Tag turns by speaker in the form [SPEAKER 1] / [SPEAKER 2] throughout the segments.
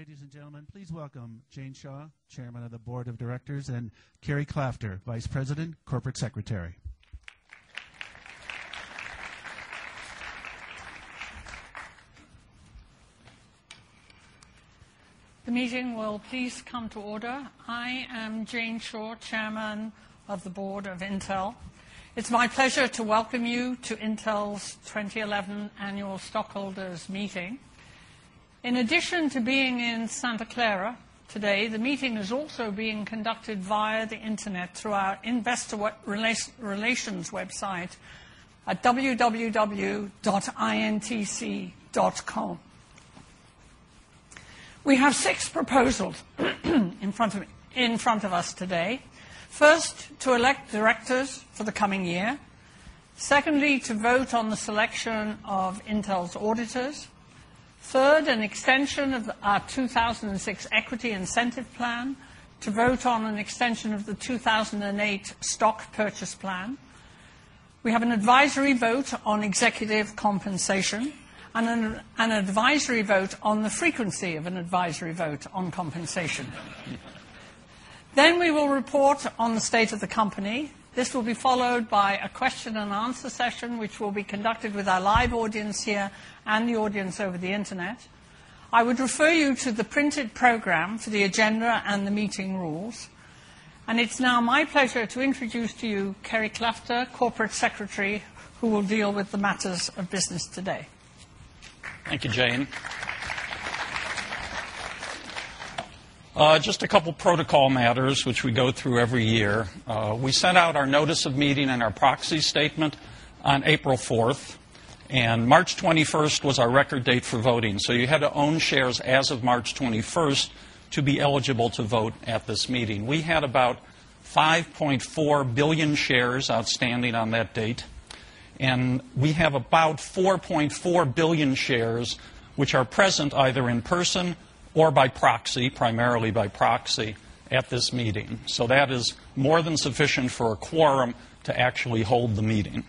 [SPEAKER 1] Ladies and gentlemen, please welcome Jane Shaw, Chairman of the Board of Directors, and Cary Klafter, Vice President, Corporate Secretary.
[SPEAKER 2] The meeting will please come to order. I am Jane Shaw, Chairman of the Board of Intel. It's my pleasure to welcome you to Intel's 2011 Annual Stockholders Meeting. In addition to being in Santa Clara today, the meeting is also being conducted via the Internet through our investor relations website at www.intc.com. We have six proposals in front of us today. First, to elect directors for the coming year. Secondly, to vote on the selection of Intel's auditors. Third, an extension of our 2006 Equity Incentive Plan. To vote on an extension of the 2008 Stock Purchase Plan. We have an advisory vote on executive compensation and an advisory vote on the frequency of an advisory vote on compensation. We will report on the state of the company. This will be followed by a question-and-answer session, which will be conducted with our live audience here and the audience over the Internet. I would refer you to the printed program for the agenda and the meeting rules. It's now my pleasure to introduce to you Cary Klafter, Corporate Secretary, who will deal with the matters of business today.
[SPEAKER 3] Thank you, Jane. Just a couple of protocol matters which we go through every year. We sent out our notice of meeting and our proxy statement on April 4th, and March 21st was our record date for voting. You had to own shares as of March 21st to be eligible to vote at this meeting. We had about 5.4 billion shares outstanding on that date, and we have about 4.4 billion shares which are present either in person or by proxy, primarily by proxy, at this meeting. That is more than sufficient for a quorum to actually hold the meeting.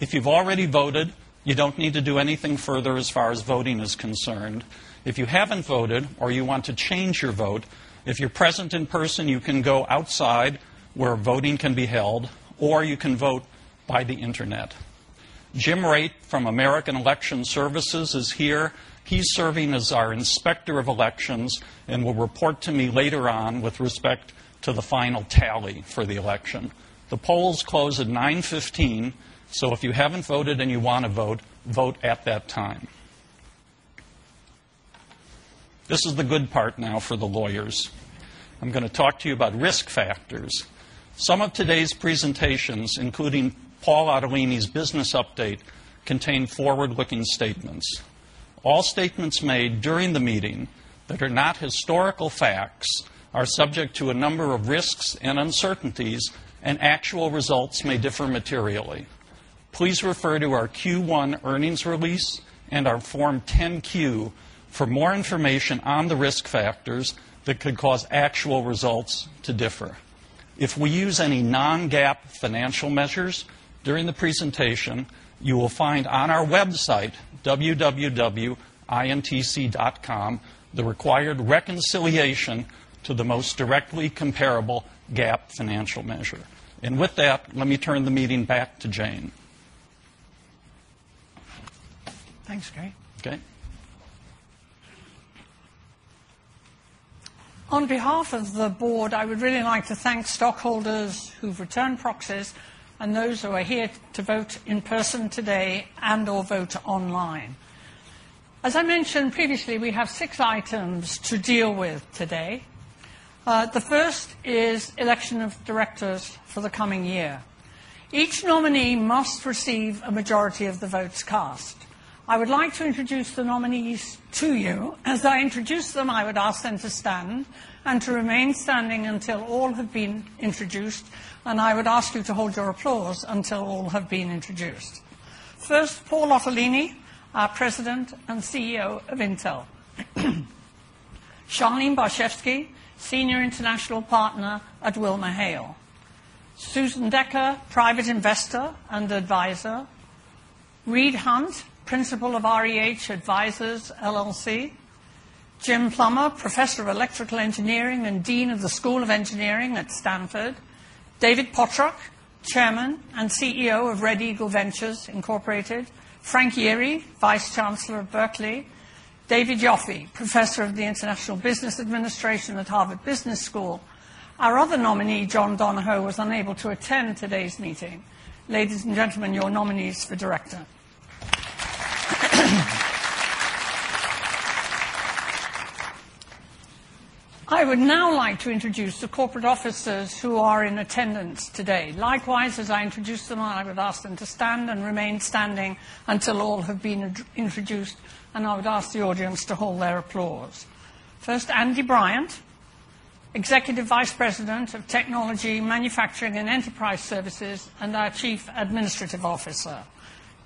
[SPEAKER 3] If you've already voted, you don't need to do anything further as far as voting is concerned. If you haven't voted or you want to change your vote, if you're present in person, you can go outside where voting can be held, or you can vote by the Internet. Jim Wright from American Election Services is here. He's serving as our Inspector of Elections and will report to me later on with respect to the final tally for the election. The polls close at 9:15 A.M., if you haven't voted and you want to vote, vote at that time. This is the good part now for the lawyers. I'm going to talk to you about risk factors. Some of today's presentations, including Paul Otellini's business update, contain forward-looking statements. All statements made during the meeting that are not historical facts are subject to a number of risks and uncertainties, and actual results may differ materially. Please refer to our Q1 earnings release and our Form 10-Q for more information on the risk factors that could cause actual results to differ. If we use any non-GAAP financial measures during the presentation, you will find on our website, www.intc.com, the required reconciliation to the most directly comparable GAAP financial measure. With that, let me turn the meeting back to Jane.
[SPEAKER 2] Thanks, Cary.
[SPEAKER 3] Okay.
[SPEAKER 2] On behalf of the Board, I would really like to thank stockholders who've returned proxies and those who are here to vote in person today and/or vote online. As I mentioned previously, we have six items to deal with today. The first is election of directors for the coming year. Each nominee must receive a majority of the votes cast. I would like to introduce the nominees to you. As I introduce them, I would ask them to stand and to remain standing until all have been introduced, and I would ask you to hold your applause until all have been introduced. First, Paul Otellini, President and CEO of Intel. Charlene Barshefsky, Senior International Partner at WilmerHale. Susan Decker, Private Investor and Advisor. Reed Hundt, Principal of REH Advisors LLC. Jim Plummer, Professor of Electrical Engineering and Dean of the School of Engineering at Stanford. David Pottruck, Chairman and CEO of Red Eagle Ventures Incorporated. Frank Yeary, Vice Chancellor of Berkeley. David Yoffie, Professor of International Business Administration at Harvard Business School. Our other nominee, John Donahoe, was unable to attend today's meeting. Ladies and gentlemen, your nominees for director. I would now like to introduce the corporate officers who are in attendance today. Likewise, as I introduce them, I would ask them to stand and remain standing until all have been introduced, and I would ask the audience to hold their applause. First, Andy Bryant, Executive Vice President of Technology, Manufacturing, and Enterprise Services, and our Chief Administrative Officer.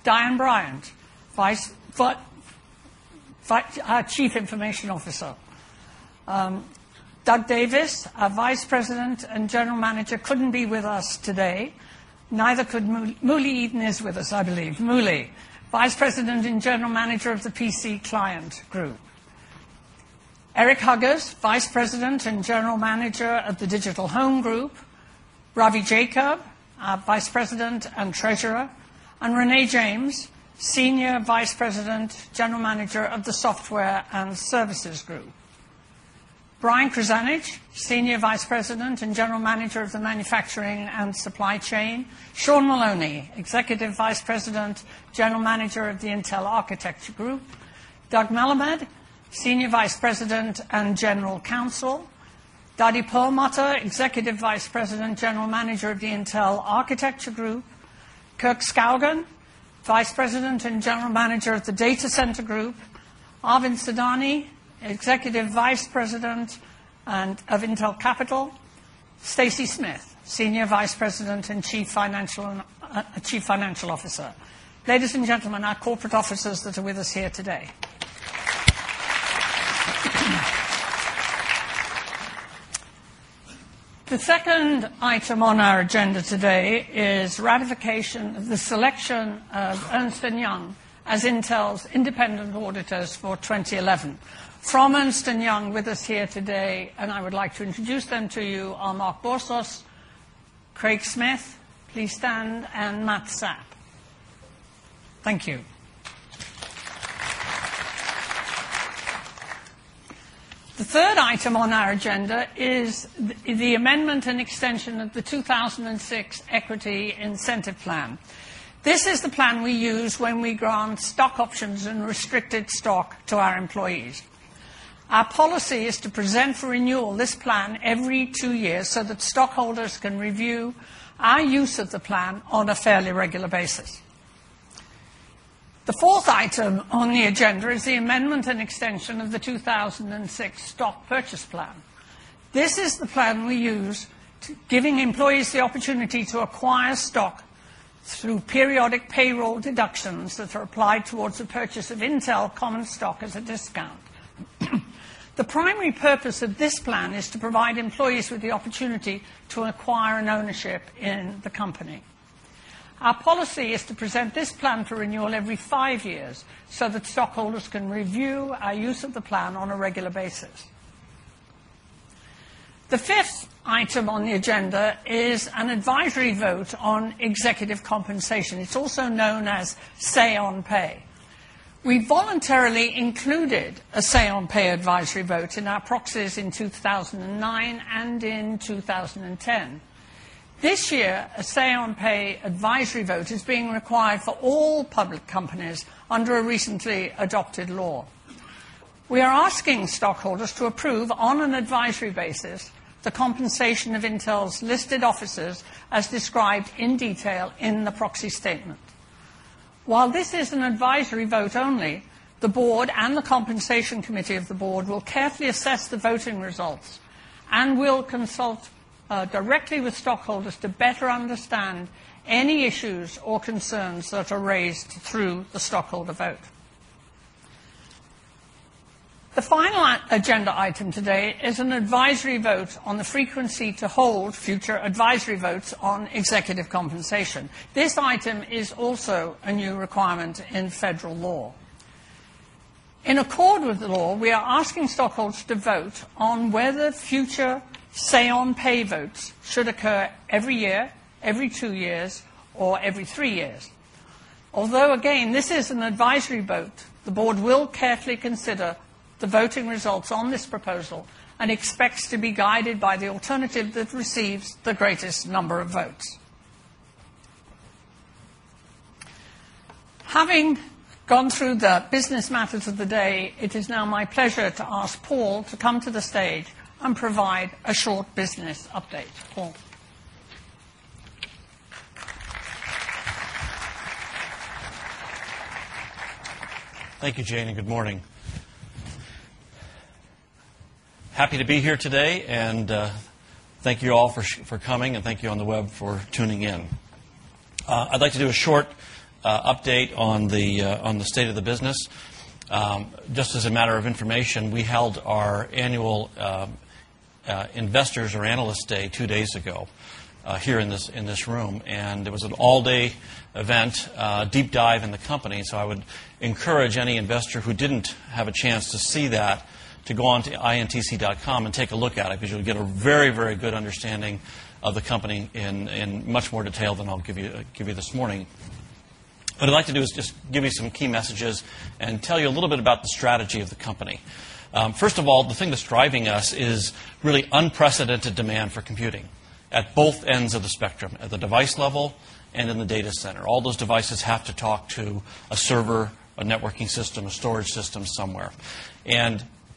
[SPEAKER 2] Diane Bryant, Vice Chief Information Officer. Doug Davis, our Vice President and General Manager, couldn't be with us today. Neither could Mooly Eden, Vice President and General Manager of the PC Client Group. Erik Huggers, Vice President and General Manager of the Digital Home Group. Ravi Jacob, Vice President and Treasurer. And Renee James, Senior Vice President, General Manager of the Software and Services Group. Brian Krzanich, Senior Vice President and General Manager of the Manufacturing and Supply Chain. Sean Maloney, Executive Vice President, General Manager of the Intel Architecture Group. Doug Melamed, Senior Vice President and General Counsel. David Perlmutter, Executive Vice President, General Manager of the Intel Architecture Group. Kirk Skaugen, Vice President and General Manager of the Data Center Group. Arvind Sodhani, Executive Vice President of Intel Capital. Stacy Smith, Senior Vice President and Chief Financial Officer. Ladies and gentlemen, our corporate officers that are with us here today. The second item on our agenda today is ratification of the selection of Ernst & Young as Intel's independent auditors for 2011. From Ernst & Young with us here today, and I would like to introduce them to you, are [Mark Bustos], Craig Smith, please stand, and Matt Sapp. Thank you. The third item on our agenda is the amendment and extension of the 2006 Equity Incentive Plan. This is the plan we use when we grant stock options and restricted stock to our employees. Our policy is to present for renewal this plan every two years so that stockholders can review our use of the plan on a fairly regular basis. The fourth item on the agenda is the amendment and extension of the 2006 Stock Purchase Plan. This is the plan we use giving employees the opportunity to acquire stock through periodic payroll deductions that are applied towards the purchase of Intel common stock at a discount. The primary purpose of this plan is to provide employees with the opportunity to acquire ownership in the company. Our policy is to present this plan for renewal every five years so that stockholders can review our use of the plan on a regular basis. The fifth item on the agenda is an advisory vote on executive compensation. It's also known as say-on-pay. We voluntarily included a say-on-pay advisory vote in our proxies in 2009 and in 2010. This year, a say-on-pay advisory vote is being required for all public companies under a recently adopted law. We are asking stockholders to approve on an advisory basis the compensation of Intel's listed officers as described in detail in the proxy statement. While this is an advisory vote only, the Board and the Compensation Committee of the Board will carefully assess the voting results and will consult directly with stockholders to better understand any issues or concerns that are raised through the stockholder vote. The final agenda item today is an advisory vote on the frequency to hold future advisory votes on executive compensation. This item is also a new requirement in federal law. In accord with the law, we are asking stockholders to vote on whether future say-on-pay votes should occur every year, every two years, or every three years. Although, again, this is an advisory vote, the Board will carefully consider the voting results on this proposal and expects to be guided by the alternative that receives the greatest number of votes. Having gone through the business matters of the day, it is now my pleasure to ask Paul to come to the stage and provide a short business update. Paul.
[SPEAKER 4] Thank you, Jane. Good morning. Happy to be here today, and thank you all for coming, and thank you on the web for tuning in. I'd like to do a short update on the state of the business. Just as a matter of information, we held our annual Investors or Analyst Day two days ago here in this room, and it was an all-day event, a deep dive in the company. I would encourage any investor who didn't have a chance to see that to go on to intc.com and take a look at it because you'll get a very, very good understanding of the company in much more detail than I'll give you this morning. What I'd like to do is just give you some key messages and tell you a little bit about the strategy of the company. First of all, the thing that's driving us is really unprecedented demand for computing at both ends of the spectrum, at the device level and in the data center. All those devices have to talk to a server, a networking system, a storage system somewhere.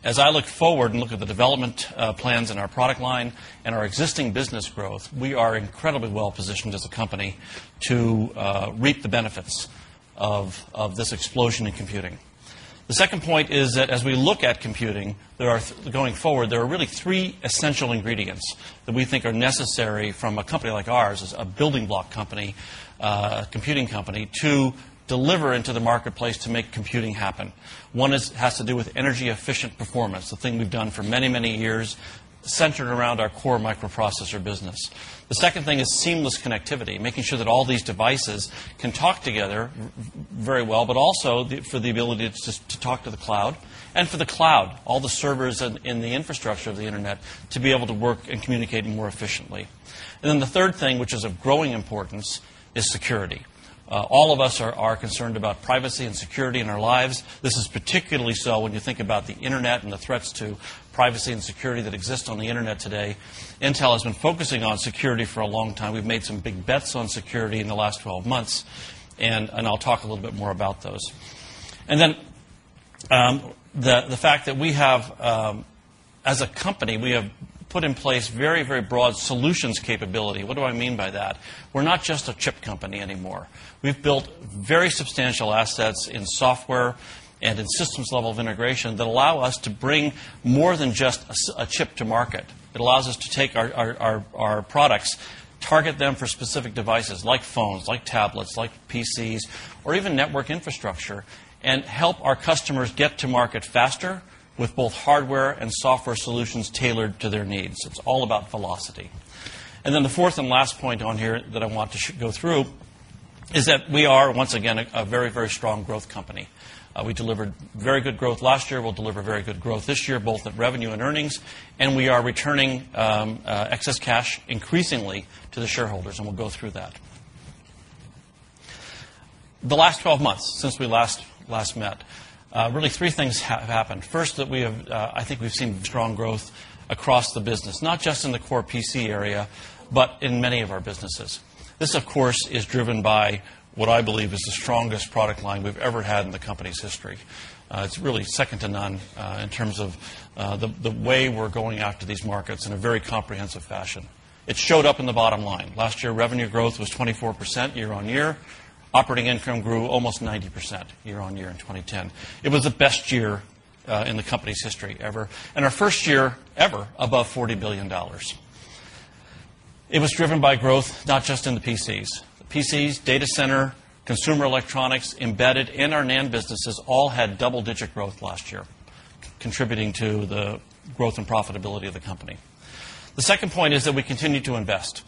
[SPEAKER 4] As I look forward and look at the development plans in our product line and our existing business growth, we are incredibly well-positioned as a company to reap the benefits of this explosion in computing. The second point is that as we look at computing, going forward, there are really three essential ingredients that we think are necessary from a company like ours, a building block company, a computing company, to deliver into the marketplace to make computing happen. One has to do with energy-efficient performance, the thing we've done for many, many years, centered around our core microprocessor business. The second thing is seamless connectivity, making sure that all these devices can talk together very well, but also for the ability to talk to the cloud and for the cloud, all the servers in the infrastructure of the Internet, to be able to work and communicate more efficiently. The third thing, which is of growing importance, is security. All of us are concerned about privacy and security in our lives. This is particularly so when you think about the Internet and the threats to privacy and security that exist on the Internet today. Intel has been focusing on security for a long time. We've made some big bets on security in the last 12 months, and I'll talk a little bit more about those. The fact that we have, as a company, we have put in place very, very broad solutions capability. What do I mean by that? We're not just a chip company anymore. We've built very substantial assets in software and in systems level of integration that allow us to bring more than just a chip to market. It allows us to take our products, target them for specific devices like phones, like tablets, like PCs, or even network infrastructure, and help our customers get to market faster with both hardware and software solutions tailored to their needs. It's all about velocity. The fourth and last point on here that I want to go through is that we are, once again, a very, very strong growth company. We delivered very good growth last year. We'll deliver very good growth this year, both at revenue and earnings, and we are returning excess cash increasingly to the shareholders, and we'll go through that. The last 12 months since we last met, really three things have happened. First, I think we've seen strong growth across the business, not just in the core PC area, but in many of our businesses. This, of course, is driven by what I believe is the strongest product line we've ever had in the company's history. It's really second to none in terms of the way we're going after these markets in a very comprehensive fashion. It showed up in the bottom line. Last year, revenue growth was 24% year-on-year. Operating income grew almost 90% year-on-year in 2010. It was the best year in the company's history ever, and our first year ever above $40 billion. It was driven by growth, not just in the PCs. PCs, data center, consumer electronics, embedded, and our NAND businesses all had double-digit growth last year, contributing to the growth and profitability of the company. The second point is that we continue to invest,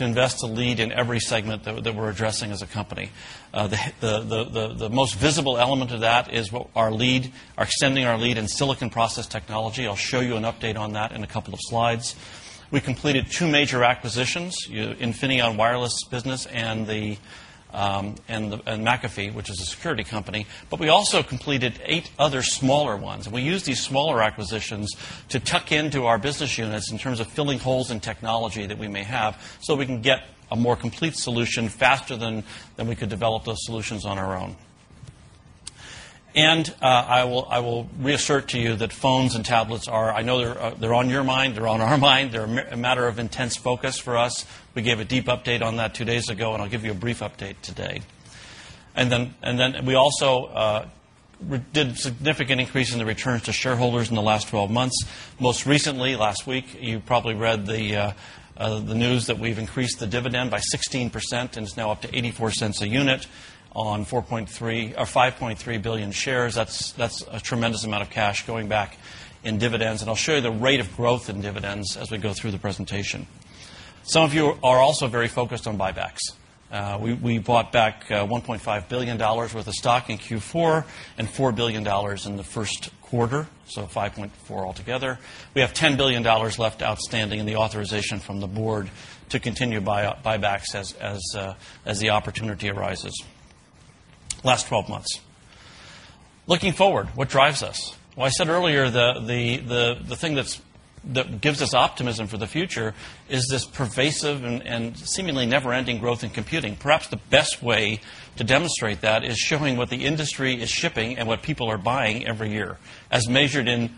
[SPEAKER 4] to invest to lead in every segment that we're addressing as a company. The most visible element of that is our lead, our extending our lead in silicon process technology. I'll show you an update on that in a couple of slides. We completed two major acquisitions, Infineon Wireless business and McAfee, which is a security company, but we also completed eight other smaller ones. We use these smaller acquisitions to tuck into our business units in terms of filling holes in technology that we may have so that we can get a more complete solution faster than we could develop those solutions on our own. I will reassert to you that phones and tablets are, I know they're on your mind, they're on our mind, they're a matter of intense focus for us. We gave a deep update on that two days ago, and I'll give you a brief update today. We also did a significant increase in the returns to shareholders in the last 12 months. Most recently, last week, you probably read the news that we've increased the dividend by 16%, and it's now up to $0.84 a unit on 4.3 shares or 5.3 billion shares. That's a tremendous amount of cash going back in dividends, and I'll show you the rate of growth in dividends as we go through the presentation. Some of you are also very focused on buybacks. We bought back $1.5 billion worth of stock in Q4 and $4 billion in the first quarter, so $5.4 billion altogether. We have $10 billion left outstanding in the authorization from the Board to continue buybacks as the opportunity arises. Last 12 months. Looking forward, what drives us? I said earlier that the thing that gives us optimism for the future is this pervasive and seemingly never-ending growth in computing. Perhaps the best way to demonstrate that is showing what the industry is shipping and what people are buying every year, as measured in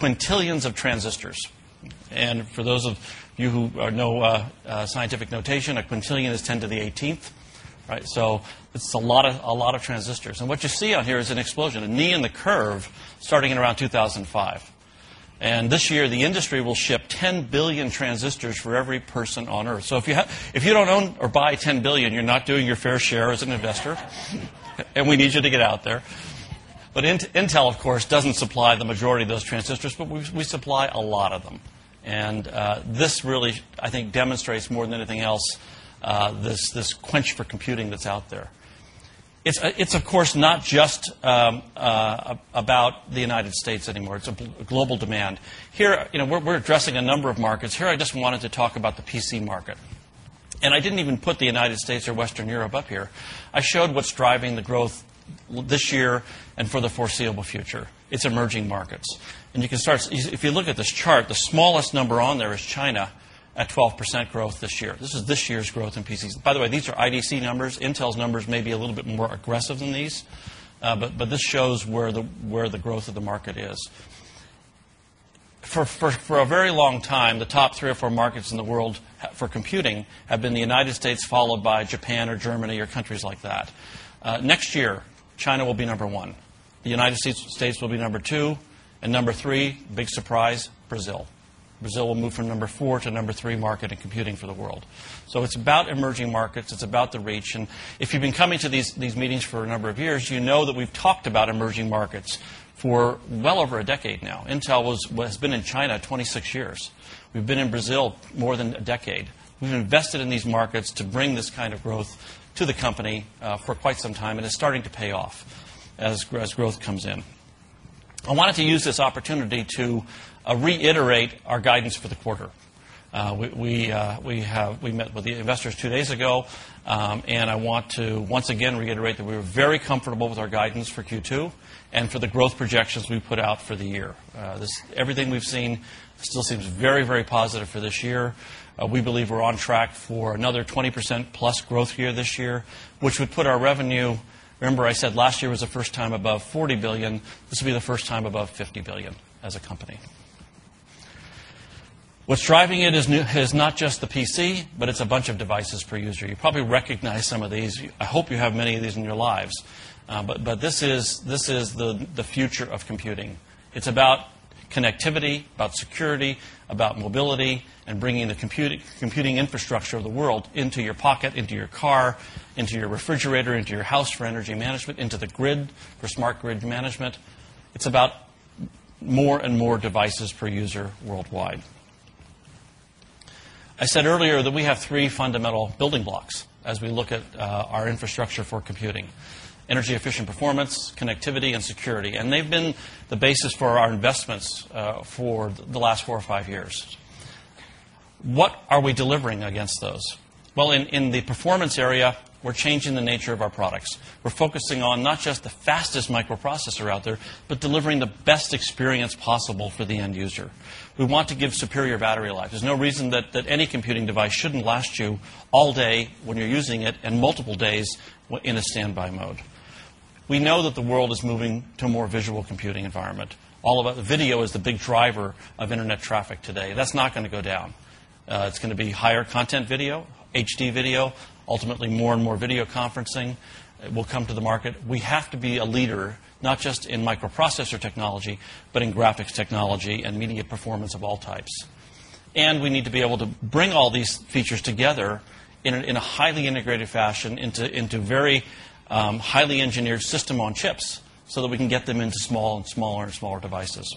[SPEAKER 4] quintillions of transistors. For those of you who know scientific notation, a quintillion is 10 to the 18th, right? It's a lot of transistors. What you see on here is an explosion, a knee in the curve, starting in around 2005. This year, the industry will ship 10 billion transistors for every person on Earth. If you don't own or buy 10 billion transistors, you're not doing your fair share as an investor, and we need you to get out there. Intel, of course, doesn't supply the majority of those transistors, but we supply a lot of them. This really, I think, demonstrates more than anything else this quench for computing that's out there. It's, of course, not just about the United States anymore. It's a global demand. Here, we're addressing a number of markets. Here, I just wanted to talk about the PC market. I didn't even put the United States or Western Europe up here. I showed what's driving the growth this year and for the foreseeable future. It's emerging markets. If you look at this chart, the smallest number on there is China at 12% growth this year. This is this year's growth in PCs. By the way, these are IDC numbers. Intel's numbers may be a little bit more aggressive than these, but this shows where the growth of the market is. For a very long time, the top three or four markets in the world for computing have been the United States, followed by Japan or Germany or countries like that. Next year, China will be number one. The United States will be number two. Number three, big surprise, Brazil. Brazil will move from number four to number three market in computing for the world. It's about emerging markets. It's about the reach. If you've been coming to these meetings for a number of years, you know that we've talked about emerging markets for well over a decade now. Intel has been in China 26 years. We've been in Brazil more than a decade. We've invested in these markets to bring this kind of growth to the company for quite some time, and it's starting to pay off as growth comes in. I wanted to use this opportunity to reiterate our guidance for the quarter. We met with the investors two days ago, and I want to once again reiterate that we were very comfortable with our guidance for Q2 and for the growth projections we put out for the year. Everything we've seen still seems very, very positive for this year. We believe we're on track for another 20%+ growth here this year, which would put our revenue, remember I said last year was the first time above $40 billion. This will be the first time above $50 billion as a company. What's driving it is not just the PC, but it's a bunch of devices per user. You probably recognize some of these. I hope you have many of these in your lives. This is the future of computing. It's about connectivity, about security, about mobility, and bringing the computing infrastructure of the world into your pocket, into your car, into your refrigerator, into your house for energy management, into the grid for smart grid management. It's about more and more devices per user worldwide. I said earlier that we have three fundamental building blocks as we look at our infrastructure for computing: energy-efficient performance, connectivity, and security. They've been the basis for our investments for the last four or five years. What are we delivering against those? In the performance area, we're changing the nature of our products. We're focusing on not just the fastest microprocessor out there, but delivering the best experience possible for the end user. We want to give superior battery life. There's no reason that any computing device shouldn't last you all day when you're using it and multiple days in a standby mode. We know that the world is moving to a more visual computing environment. All of the video is the big driver of Internet traffic today. That's not going to go down. It's going to be higher-content video, HD video, ultimately more and more video conferencing will come to the market. We have to be a leader, not just in microprocessor technology, but in graphics technology and media performance of all types. We need to be able to bring all these features together in a highly integrated fashion into very highly engineered system-on-chips so that we can get them into smaller and smaller devices.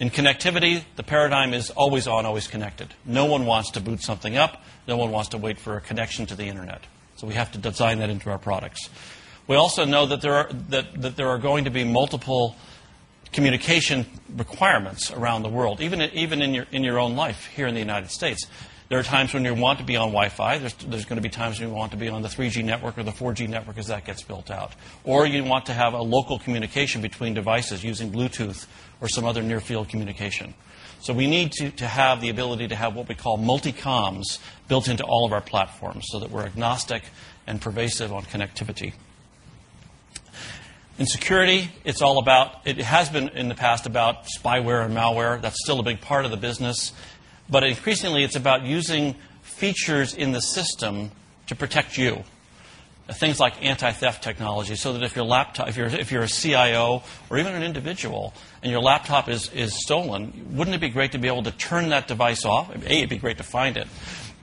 [SPEAKER 4] In connectivity, the paradigm is always on, always connected. No one wants to boot something up. No one wants to wait for a connection to the Internet. We have to design that into our products. We also know that there are going to be multiple communication requirements around the world, even in your own life here in the United States. There are times when you want to be on Wi-Fi. There are going to be times when you want to be on the 3G network or the 4G network as that gets built out. You want to have a local communication between devices using Bluetooth or some other near-field communication. We need to have the ability to have what we call multi-comms built into all of our platforms so that we're agnostic and pervasive on connectivity. In security, it's all about, it has been in the past about spyware and malware. That's still a big part of the business. Increasingly, it's about using features in the system to protect you. Things like anti-theft technology. If you're a CIO or even an individual and your laptop is stolen, wouldn't it be great to be able to turn that device off? It'd be great to find it.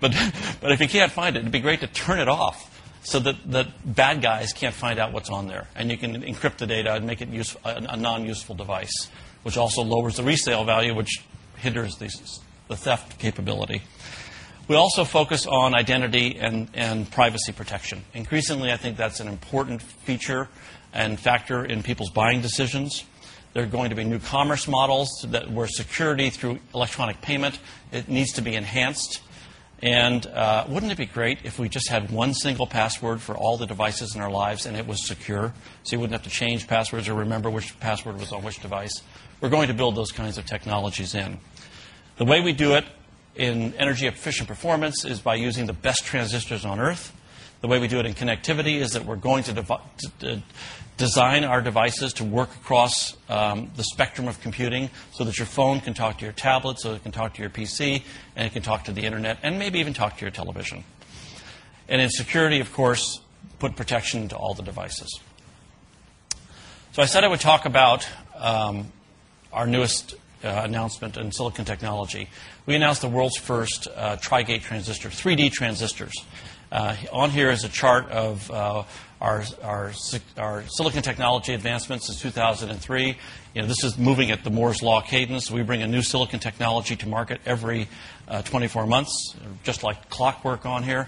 [SPEAKER 4] If you can't find it, it'd be great to turn it off so that bad guys can't find out what's on there. You can encrypt the data and make it a non-useful device, which also lowers the resale value, which hinders the theft capability. We also focus on identity and privacy protection. Increasingly, I think that's an important feature and factor in people's buying decisions. There are going to be new commerce models where security through electronic payment needs to be enhanced. Wouldn't it be great if we just had one single password for all the devices in our lives and it was secure so you wouldn't have to change passwords or remember which password was on which device? We're going to build those kinds of technologies in. The way we do it in energy-efficient performance is by using the best transistors on Earth. The way we do it in connectivity is that we're going to design our devices to work across the spectrum of computing so that your phone can talk to your tablet, so it can talk to your PC, and it can talk to the Internet, and maybe even talk to your television. In security, of course, put protection to all the devices. I said I would talk about our newest announcement in silicon technology. We announced the world's first Tri-Gate transistor, 3D transistors. On here is a chart of our silicon technology advancements since 2003. This is moving at the Moore's Law cadence. We bring a new silicon technology to market every 24 months, just like clockwork on here.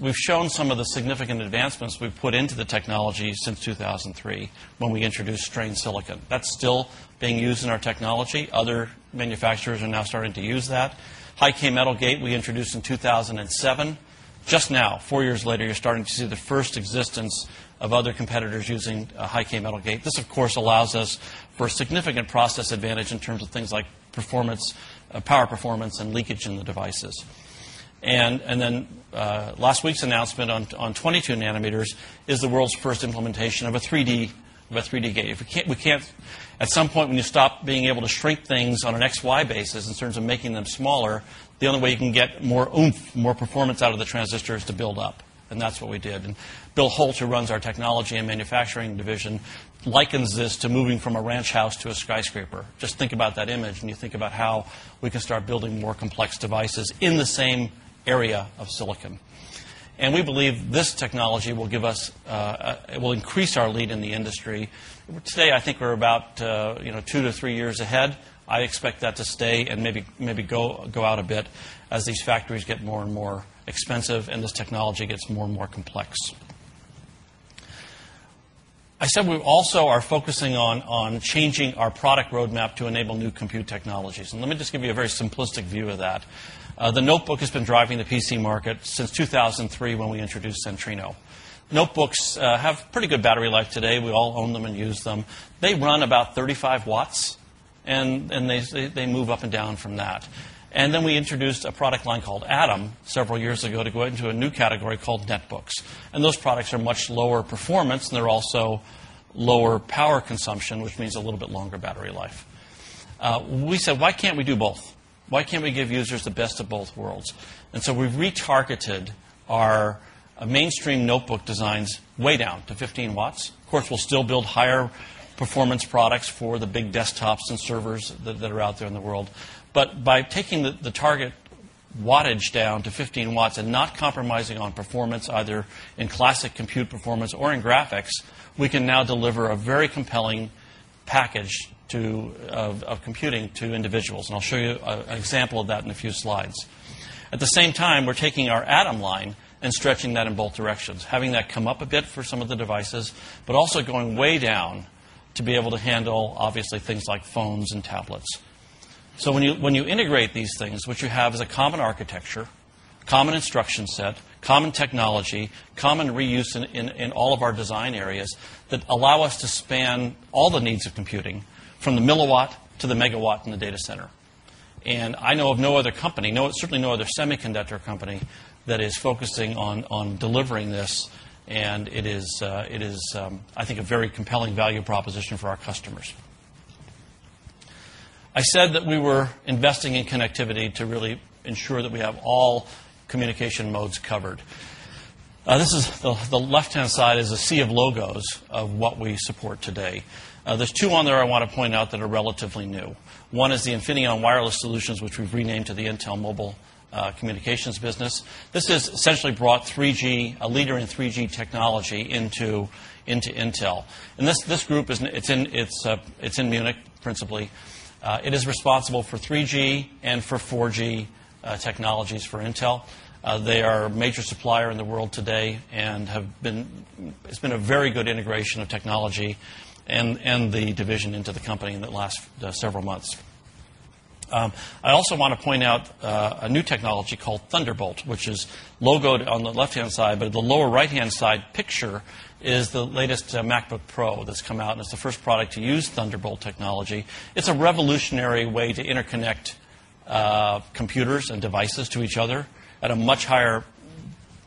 [SPEAKER 4] We've shown some of the significant advancements we've put into the technology since 2003 when we introduced Strain Silicon. That's still being used in our technology. Other manufacturers are now starting to use that. High-k metal gate, we introduced in 2007. Just now, four years later, you're starting to see the first existence of other competitors using high-k metal gate. This, of course, allows us for a significant process advantage in terms of things like performance, power performance, and leakage in the devices. Last week's announcement on 22 nm is the world's first implementation of a 3D gate. At some point, when you stop being able to shrink things on an XY basis in terms of making them smaller, the only way you can get more oomph, more performance out of the transistor is to build up. That's what we did. Bill Holt, who runs our Technology and Manufacturing division, likens this to moving from a ranch house to a skyscraper. Just think about that image when you think about how we can start building more complex devices in the same area of silicon. We believe this technology will give us, it will increase our lead in the industry. Today, I think we're about two to three years ahead. I expect that to stay and maybe go out a bit as these factories get more and more expensive and this technology gets more and more complex. I said we also are focusing on changing our product roadmap to enable new compute technologies. Let me just give you a very simplistic view of that. The notebook has been driving the PC market since 2003 when we introduced Centrino. Notebooks have pretty good battery life today. We all own them and use them. They run about 35 W, and they move up and down from that. Then we introduced a product line called Atom several years ago to go into a new category called Netbooks. Those products are much lower performance, and they're also lower power consumption, which means a little bit longer battery life. We said, why can't we do both? Why can't we give users the best of both worlds? We retargeted our mainstream notebook designs way down to 15 W. Of course, we'll still build higher-performance products for the big desktops and servers that are out there in the world. By taking the target wattage down to 15 W and not compromising on performance either in classic compute performance or in graphics, we can now deliver a very compelling package of computing to individuals. I'll show you an example of that in a few slides. At the same time, we're taking our Atom line and stretching that in both directions, having that come up a bit for some of the devices, but also going way down to be able to handle, obviously, things like phones and tablets. When you integrate these things, what you have is a common architecture, common instruction set, common technology, common reuse in all of our design areas that allow us to span all the needs of computing from the milliwatt to the megawatt in the data center. I know of no other company, certainly no other semiconductor company, that is focusing on delivering this, and it is, I think, a very compelling value proposition for our customers. I said that we were investing in connectivity to really ensure that we have all communication modes covered. The left-hand side is a sea of logos of what we support today. There are two on there I want to point out that are relatively new. One is the Infineon Wireless Solutions, which we've renamed to the Intel Mobile Communications business. This has essentially brought a leader in 3G technology into Intel. This group, it's in Munich, principally. It is responsible for 3G and for 4G technologies for Intel. They are a major supplier in the world today, and it's been a very good integration of technology and the division into the company in the last several months. I also want to point out a new technology called Thunderbolt, which is logoed on the left-hand side, but at the lower right-hand side, the picture is the latest MacBook Pro that's come out, and it's the first product to use Thunderbolt technology. It's a revolutionary way to interconnect computers and devices to each other at a much higher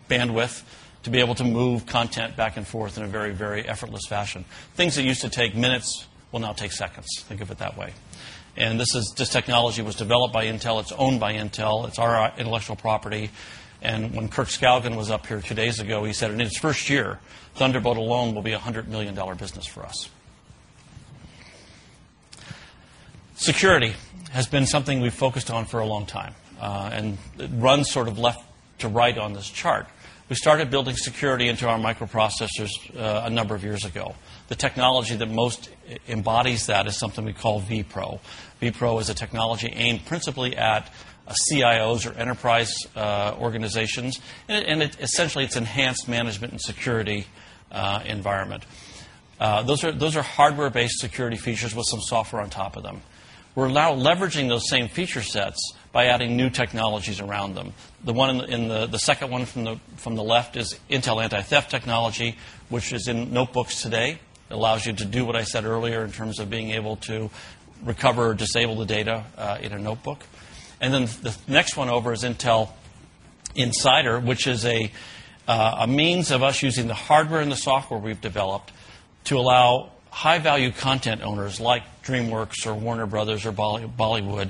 [SPEAKER 4] bandwidth to be able to move content back and forth in a very, very effortless fashion. Things that used to take minutes will now take seconds, think of it that way. This technology was developed by Intel. It's owned by Intel. It's our intellectual property. When Kirk Skaugen was up here two days ago, he said in his first year, Thunderbolt alone will be a $100 million business for us. Security has been something we've focused on for a long time and runs sort of left to right on this chart. We started building security into our microprocessors a number of years ago. The technology that most embodies that is something we call vPro. vPro is a technology aimed principally at CIOs or enterprise organizations, and essentially, it's enhanced management and security environment. Those are hardware-based security features with some software on top of them. We're now leveraging those same feature sets by adding new technologies around them. The second one from the left is Intel Anti-Theft Technology, which is in notebooks today. It allows you to do what I said earlier in terms of being able to recover or disable the data in a notebook. The next one over is Intel Insider, which is a means of us using the hardware and the software we've developed to allow high-value content owners like DreamWorks or Warner Brothers or Bollywood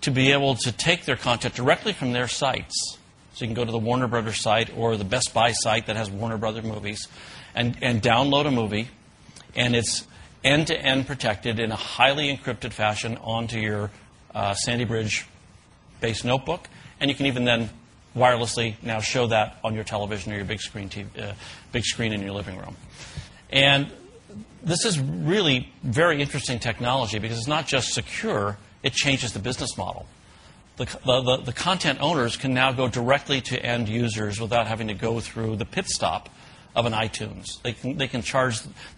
[SPEAKER 4] to be able to take their content directly from their sites. You can go to the Warner Brothers site or the Best Buy site that has Warner Brother movies and download a movie, and it's end-to-end protected in a highly-encrypted fashion onto your Sandy Bridge-based notebook. You can even then wirelessly now show that on your television or your big screen in your living room. This is really very interesting technology because it's not just secure. It changes the business model. The content owners can now go directly to end users without having to go through the pit stop of an iTunes. They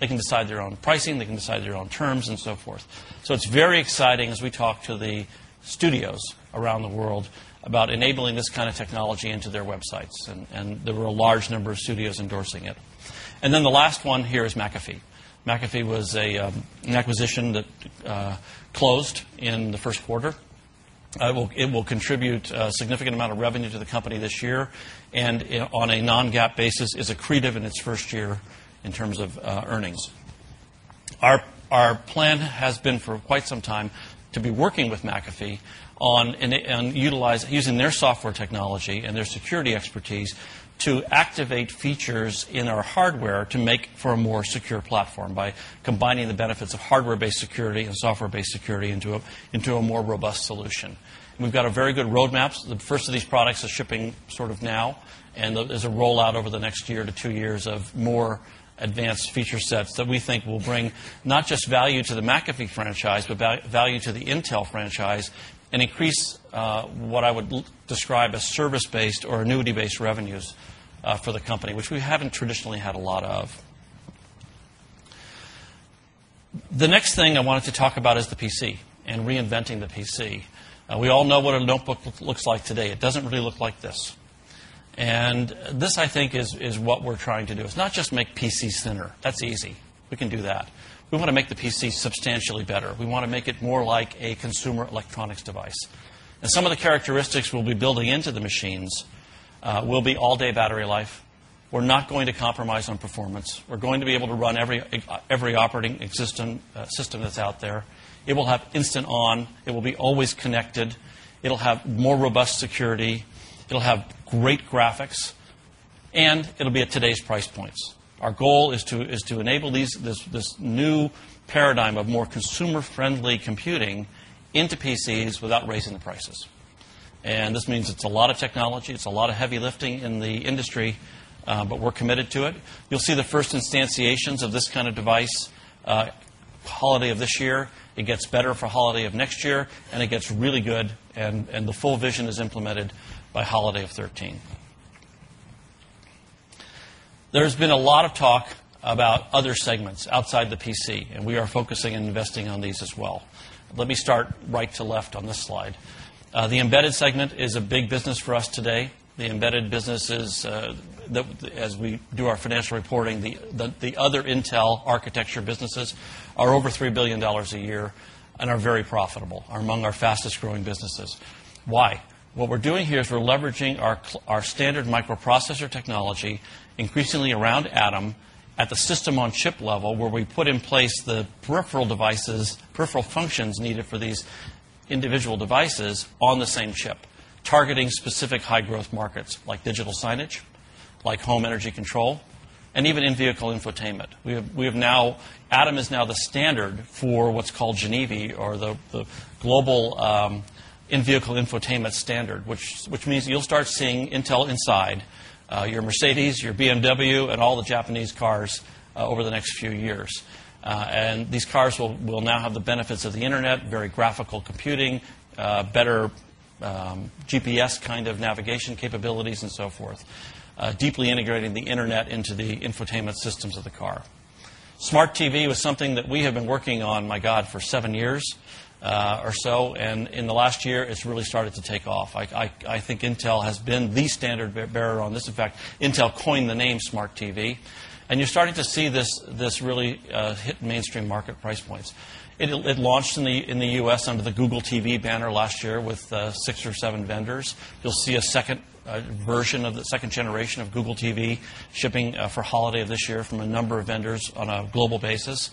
[SPEAKER 4] can decide their own pricing. They can decide their own terms and so forth. It's very exciting as we talk to the studios around the world about enabling this kind of technology into their websites, and there were a large number of studios endorsing it. The last one here is McAfee. McAfee was an acquisition that closed in the first quarter. It will contribute a significant amount of revenue to the company this year, and on a non-GAAP basis, is accretive in its first year in terms of earnings. Our plan has been for quite some time to be working with McAfee on using their software technology and their security expertise to activate features in our hardware to make for a more secure platform by combining the benefits of hardware-based security and software-based security into a more robust solution. We've got a very good roadmap. The first of these products is shipping sort of now, and there's a rollout over the next year to two years of more advanced feature sets that we think will bring not just value to the McAfee franchise, but value to the Intel franchise and increase what I would describe as service-based or annuity-based revenues for the company, which we haven't traditionally had a lot of. The next thing I wanted to talk about is the PC and reinventing the PC. We all know what a notebook looks like today. It doesn't really look like this. This, I think, is what we're trying to do. It's not just make PC thinner. That's easy. We can do that. We want to make the PC substantially better. We want to make it more like a consumer electronics device. Some of the characteristics we'll be building into the machines will be all-day battery life. We're not going to compromise on performance. We're going to be able to run every operating system that's out there. It will have instant on. It will be always connected. It'll have more robust security. It'll have great graphics. It'll be at today's price points. Our goal is to enable this new paradigm of more consumer-friendly computing into PCs without raising the prices. This means it's a lot of technology. It's a lot of heavy lifting in the industry, but we're committed to it. You'll see the first instantiations of this kind of device holiday of this year. It gets better for Holiday of next year, and it gets really good, and the full vision is implemented by holiday of 2013. There's been a lot of talk about other segments outside the PC, and we are focusing and investing on these as well. Let me start right to left on this slide. The embedded segment is a big business for us today. The embedded businesses, as we do our financial reporting, the other Intel architecture businesses are over $3 billion a year and are very profitable, are among our fastest growing businesses. Why? What we're doing here is we're leveraging our standard microprocessor technology increasingly around Atom at the system-on-chip level, where we put in place the peripheral devices, peripheral functions needed for these individual devices on the same chip, targeting specific high-growth markets like digital signage, home energy control, and even in-vehicle infotainment. Atom is now the standard for what's called GENIVI, or the global in-vehicle infotainment standard, which means you'll start seeing Intel inside your Mercedes, your BMW, and all the Japanese cars over the next few years. These cars will now have the benefits of the Internet, very graphical computing, better GPS kind of navigation capabilities, and so forth, deeply integrating the Internet into the infotainment systems of the car. Smart TV was something that we have been working on, for seven years or so, and in the last year, it's really started to take off. I think Intel has been the standard bearer on this. In fact, Intel coined the name Smart TV, and you're starting to see this really hit mainstream market price points. It launched in the U.S. under the Google TV banner last year with six or seven vendors. You'll see a second version of the second generation of Google TV shipping for Holiday of this year from a number of vendors on a global basis.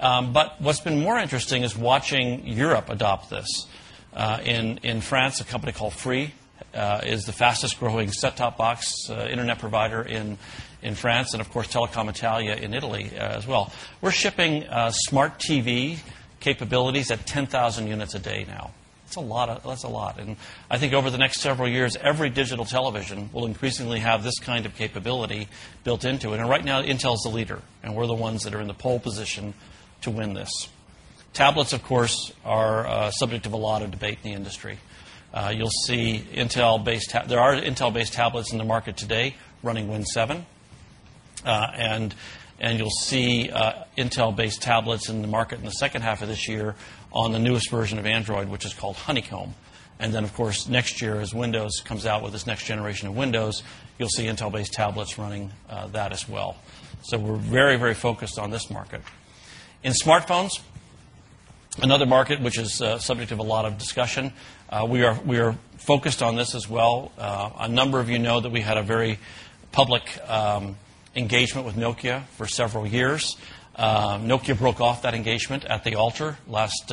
[SPEAKER 4] What's been more interesting is watching Europe adopt this. In France, a company called Free is the fastest growing set-top box Internet provider in France, and Telecom Italia in Italy as well. We're shipping Smart TV capabilities at 10,000 units a day now. That's a lot. I think over the next several years, every digital television will increasingly have this kind of capability built into it. Right now, Intel is the leader, and we're the ones that are in the pole position to win this. Tablets, of course, are subject to a lot of debate in the industry. You'll see Intel-based tablets in the market today running Win 7, and you'll see Intel-based tablets in the market in the second half of this year on the newest version of Android, which is called Honeycomb. Next year, as Windows comes out with this next generation of Windows, you'll see Intel-based tablets running that as well. We're very, very focused on this market. In smartphones, another market which is subject to a lot of discussion, we are focused on this as well. A number of you know that we had a very public engagement with Nokia for several years. Nokia broke off that engagement at the altar last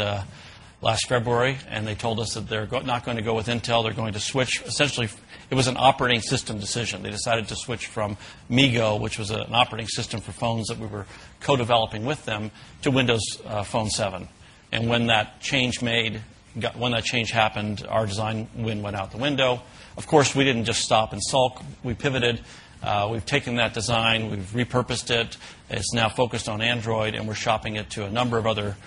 [SPEAKER 4] February, and they told us that they're not going to go with Intel. They're going to switch. Essentially, it was an operating system decision. They decided to switch from MeeGo, which was an operating system for phones that we were co-developing with them, to Windows Phone 7. When that change happened, our design win went out the window. Of course, we didn't just stop and sulk. We pivoted. We've taken that design. We've repurposed it. It's now focused on Android, and we're shopping it to a number of other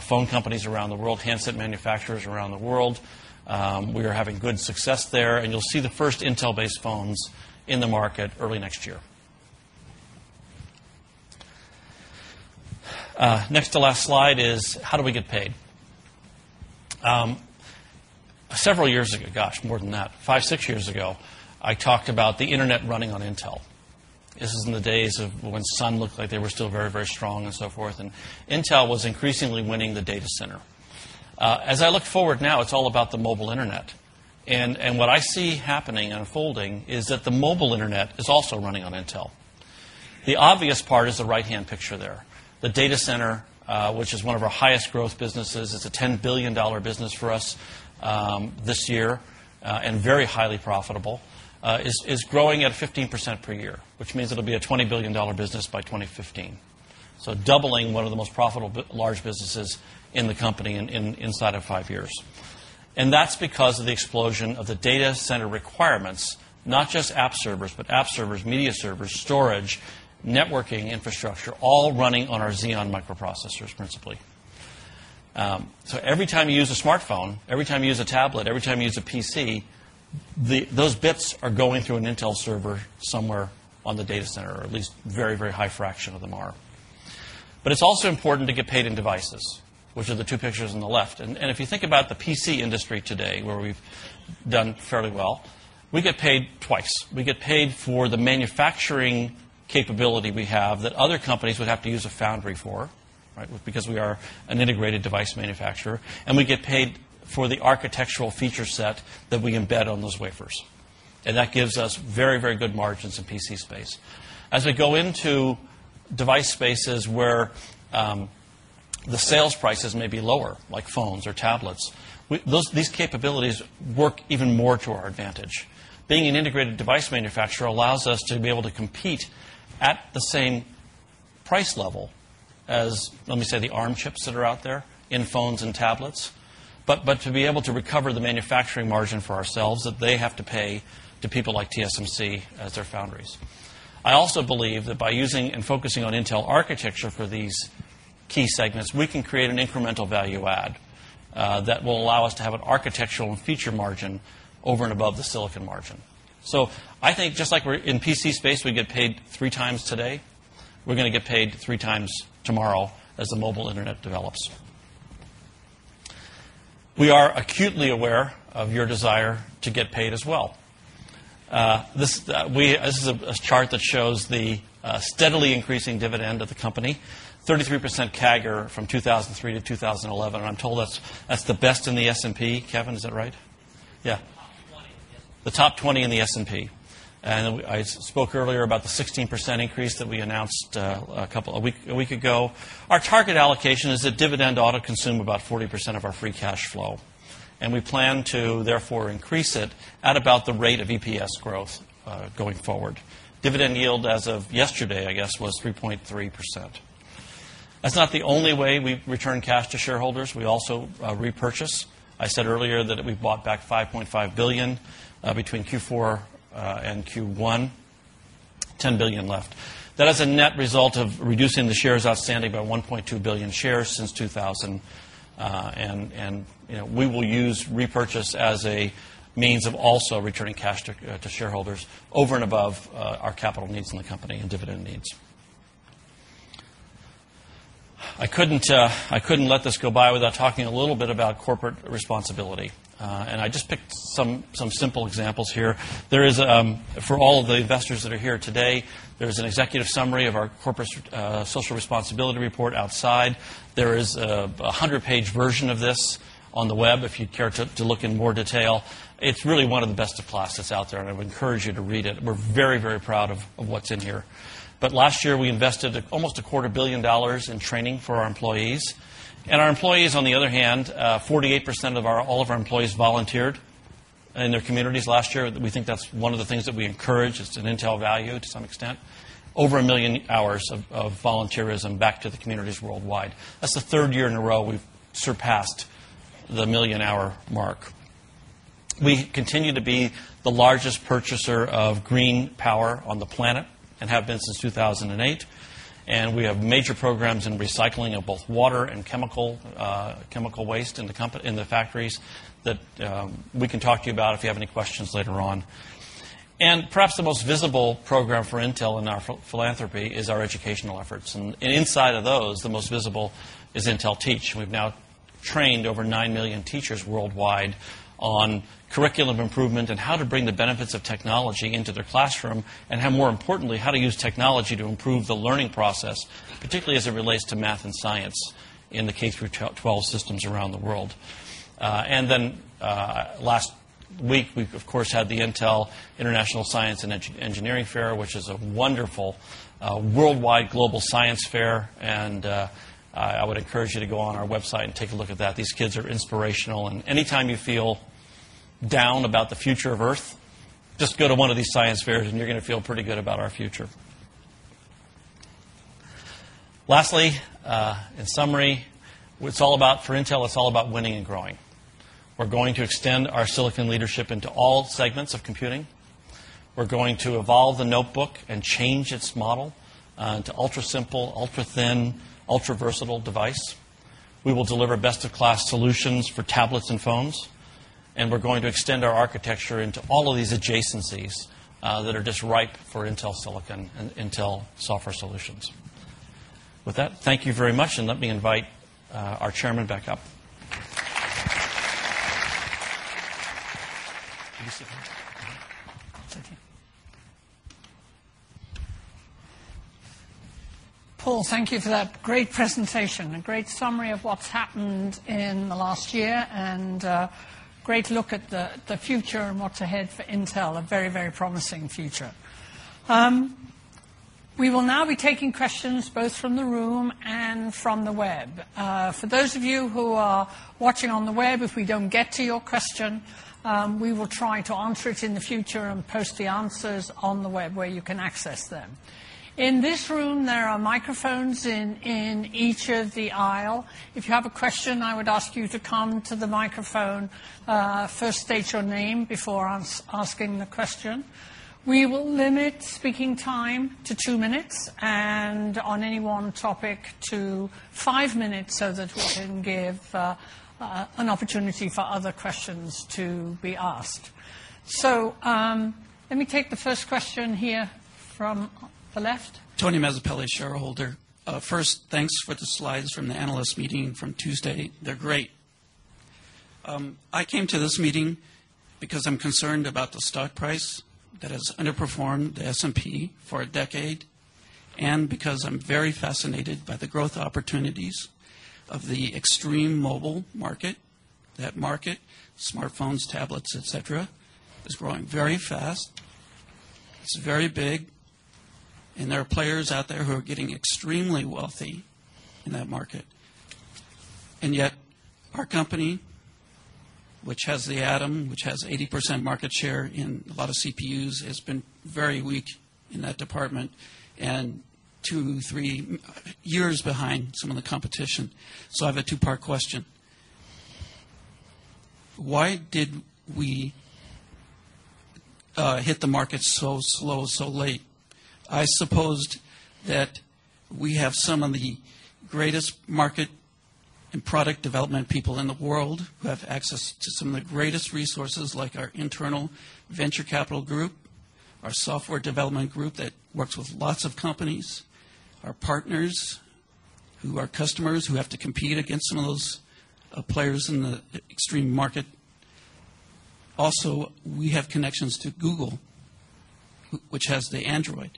[SPEAKER 4] phone companies around the world, handset manufacturers around the world. We are having good success there, and you'll see the first Intel-based phones in the market early next year. Next to last slide is how do we get paid? Several years ago, gosh, more than that, five, six years ago, I talked about the Internet running on Intel. This was in the days of when Sun looked like they were still very, very strong and so forth, and Intel was increasingly winning the data center. As I look forward now, it's all about the mobile Internet. What I see happening and unfolding is that the mobile Internet is also running on Intel. The obvious part is the right-hand picture there. The data center, which is one of our highest growth businesses, it's a $10 billion business for us this year and very highly profitable, is growing at 15% per year, which means it'll be a $20 billion business by 2015, doubling one of the most profitable large businesses in the company inside of five years. That's because of the explosion of the data center requirements, not just app servers, but app servers, media servers, storage, networking infrastructure, all running on our Xeon microprocessors principally. Every time you use a smartphone, every time you use a tablet, every time you use a PC, those bits are going through an Intel server somewhere on the data center, or at least a very, very high fraction of them are. It's also important to get paid in devices, which are the two pictures on the left. If you think about the PC industry today, where we've done fairly well, we get paid twice. We get paid for the manufacturing capability we have that other companies would have to use a foundry for, because we are an integrated device manufacturer, and we get paid for the architectural feature set that we embed on those wafers. That gives us very, very good margins in the PC space. As we go into device spaces where the sales prices may be lower, like phones or tablets, these capabilities work even more to our advantage. Being an integrated device manufacturer allows us to be able to compete at the same price level as, let me say, the ARM chips that are out there in phones and tablets, but to be able to recover the manufacturing margin for ourselves that they have to pay to people like TSMC as their foundries. I also believe that by using and focusing on Intel architecture for these key segments, we can create an incremental value add that will allow us to have an architectural and feature margin over and above the silicon margin. I think just like we're in the PC space, we get paid three times today, we're going to get paid three times tomorrow as the mobile Internet develops. We are acutely aware of your desire to get paid as well. This is a chart that shows the steadily increasing dividend of the company, 33% CAGR from 2003 to 2011, and I'm told that's the best in the S&P. Kevin, is that right? Yeah. The top 20 in the S&P. I spoke earlier about the 16% increase that we announced a week ago. Our target allocation is that dividend ought to consume about 40% of our free cash flow, and we plan to therefore increase it at about the rate of EPS growth going forward. Dividend yield as of yesterday, I guess, was 3.3%. That's not the only way we return cash to shareholders. We also repurchase. I said earlier that we bought back $5.5 billion between Q4 and Q1. $10 billion left. That is a net result of reducing the shares outstanding by 1.2 billion shares since 2000, and we will use repurchase as a means of also returning cash to shareholders over and above our capital needs in the company and dividend needs. I couldn't let this go by without talking a little bit about corporate responsibility, and I just picked some simple examples here. For all of the investors that are here today, there's an executive summary of our corporate social responsibility report outside. There is a 100-page version of this on the web if you'd care to look in more detail. It's really one of the best of class that's out there, and I would encourage you to read it. We're very, very proud of what's in here. Last year, we invested almost a quarter billion dollars in training for our employees. Our employees, on the other hand, 48% of all of our employees volunteered in their communities last year. We think that's one of the things that we encourage. It's an Intel value to some extent. Over a million hours of volunteerism back to the communities worldwide. That's the third year in a row we've surpassed the million-hour mark. We continue to be the largest purchaser of green power on the planet and have been since 2008. We have major programs in recycling of both water and chemical waste in the factories that we can talk to you about if you have any questions later on. Perhaps the most visible program for Intel in our philanthropy is our educational efforts. Inside of those, the most visible is Intel Teach. We've now trained over 9 million teachers worldwide on curriculum improvement and how to bring the benefits of technology into their classroom and, more importantly, how to use technology to improve the learning process, particularly as it relates to math and science in the K through 12 systems around the world. Last week, we, of course, had the Intel International Science and Engineering Fair, which is a wonderful worldwide global science fair. I would encourage you to go on our website and take a look at that. These kids are inspirational. Anytime you feel down about the future of Earth, just go to one of these science fairs, and you're going to feel pretty good about our future. Lastly, in summary, what it's all about for Intel, it's all about winning and growing. We're going to extend our silicon leadership into all segments of computing. We're going to evolve the notebook and change its model to ultra-simple, ultra-thin, ultra-versatile device. We will deliver best-of-class solutions for tablets and smartphones. We're going to extend our architecture into all of these adjacencies that are just ripe for Intel silicon and Intel software solutions. With that, thank you very much, and let me invite our Chairman back up. Can you sit?
[SPEAKER 2] Paul, thank you for that great presentation, a great summary of what's happened in the last year, and a great look at the future and what's ahead for Intel, a very, very promising future. We will now be taking questions both from the room and from the web. For those of you who are watching on the web, if we don't get to your question, we will try to answer it in the future and post the answers on the web where you can access them. In this room, there are microphones in each of the aisles. If you have a question, I would ask you to come to the microphone, first state your name before asking the question. We will limit speaking time to two minutes and on any one topic to five minutes, so that we can give an opportunity for other questions to be asked. Let me take the first question here from the left.
[SPEAKER 5] First, thanks for the slides from the analyst meeting from Tuesday. They're great. I came to this meeting because I'm concerned about the stock price that has underperformed the S&P for a decade and because I'm very fascinated by the growth opportunities of the extreme mobile market. That market, smartphones, tablets, et cetera, is growing very fast. It's very big, and there are players out there who are getting extremely wealthy in that market. Yet our company, which has the Atom, which has 80% market share in a lot of CPUs, has been very weak in that department and two, three years behind some of the competition. I have a two-part question. Why did we hit the market so slow, so late? I suppose that we have some of the greatest market and product development people in the world who have access to some of the greatest resources, like our internal venture capital group, our software development group that works with lots of companies, our partners who are customers who have to compete against some of those players in the extreme market. Also, we have connections to Google, which has the Android.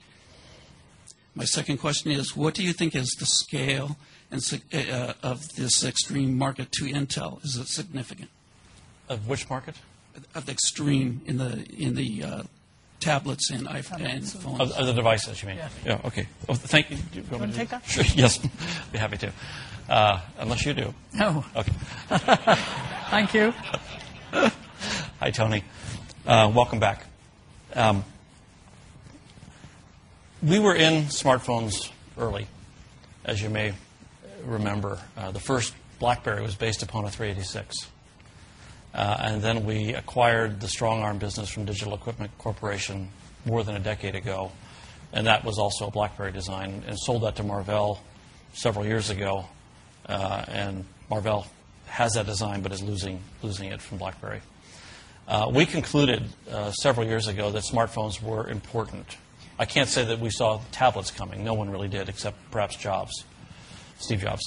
[SPEAKER 5] My second question is, what do you think is the scale of this extreme market to Intel? Is it significant?
[SPEAKER 4] Of which market?
[SPEAKER 5] Of the extreme in the tablets and smartphones.
[SPEAKER 4] Other devices, you mean?
[SPEAKER 5] Yeah.
[SPEAKER 4] OK. Thank you.
[SPEAKER 5] You want to take that?
[SPEAKER 4] Yes. Be happy to, unless you do.
[SPEAKER 5] Oh.
[SPEAKER 4] OK.
[SPEAKER 5] Thank you.
[SPEAKER 4] Hi, Tony. Welcome back. We were in smartphones early, as you may remember. The first BlackBerry was based upon a 386. Then we acquired the StrongARM business from Digital Equipment Corporation more than a decade ago, and that was also a BlackBerry design and sold that to Marvell several years ago. Marvell has that design but is losing it from BlackBerry. We concluded several years ago that smartphones were important. I can't say that we saw tablets coming. No one really did, except perhaps Steve Jobs.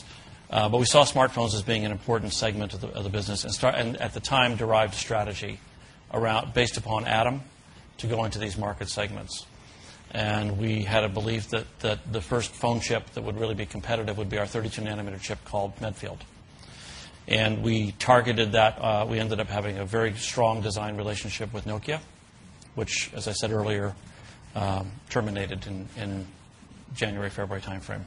[SPEAKER 4] We saw smartphones as being an important segment of the business and at the time derived strategy based upon Atom to go into these market segments. We had a belief that the first phone chip that would really be competitive would be our 32-nanometer chip called Medfield. We targeted that. We ended up having a very strong design relationship with Nokia, which, as I said earlier, terminated in the January-February timeframe.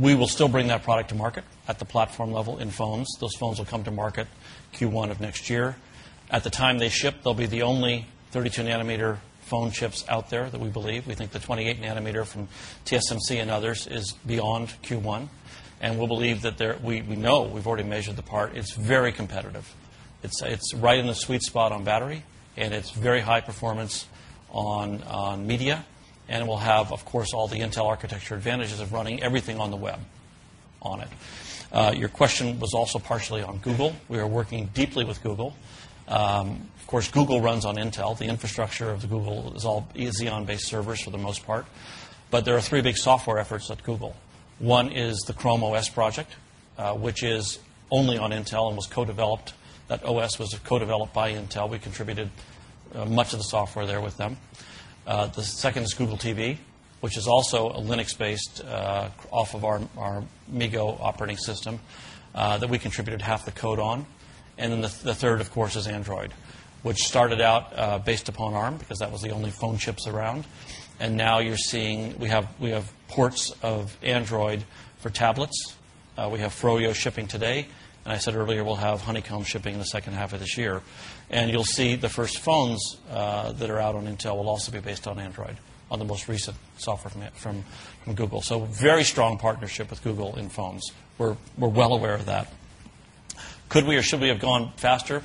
[SPEAKER 4] We will still bring that product to market at the platform level in phones. Those phones will come to market Q1 of next year. At the time they ship, they'll be the only 32-nanometer phone chips out there that we believe. We think the 28-nanometer from TSMC and others is beyond Q1. We believe that we know we've already measured the part. It's very competitive. It's right in the sweet spot on battery, and it's very high performance on media. It will have, of course, all the Intel architecture advantages of running everything on the web on it. Your question was also partially on Google. We are working deeply with Google. Of course, Google runs on Intel. The infrastructure of Google is all x86-based servers for the most part. There are three big software efforts at Google. One is the Chrome OS project, which is only on Intel and was co-developed. That OS was co-developed by Intel. We contributed much of the software there with them. The second is Google TV, which is also a Linux-based off of our MeeGo operating system that we contributed half the code on. The third, of course, is Android, which started out based upon ARM because that was the only phone chips around. Now you're seeing we have ports of Android for tablets. We have Froyo shipping today. I said earlier, we'll have Honeycomb shipping in the second half of this year. You'll see the first phones that are out on Intel will also be based on Android, on the most recent software from Google. There is a very strong partnership with Google in phones. We're well aware of that. Could we or should we have gone faster? It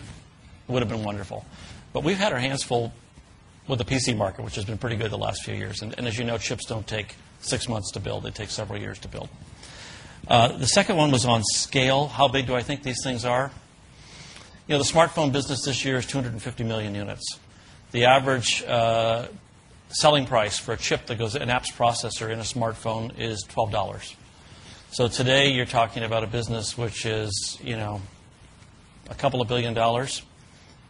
[SPEAKER 4] would have been wonderful. We've had our hands full with the PC market, which has been pretty good the last few years. As you know, chips don't take six months to build. They take several years to build. The second one was on scale. How big do I think these things are? The smartphone business this year is 250 million units. The average selling price for a chip that goes in an Apple processor in a smartphone is $12. Today, you're talking about a business which is a couple of billion dollars,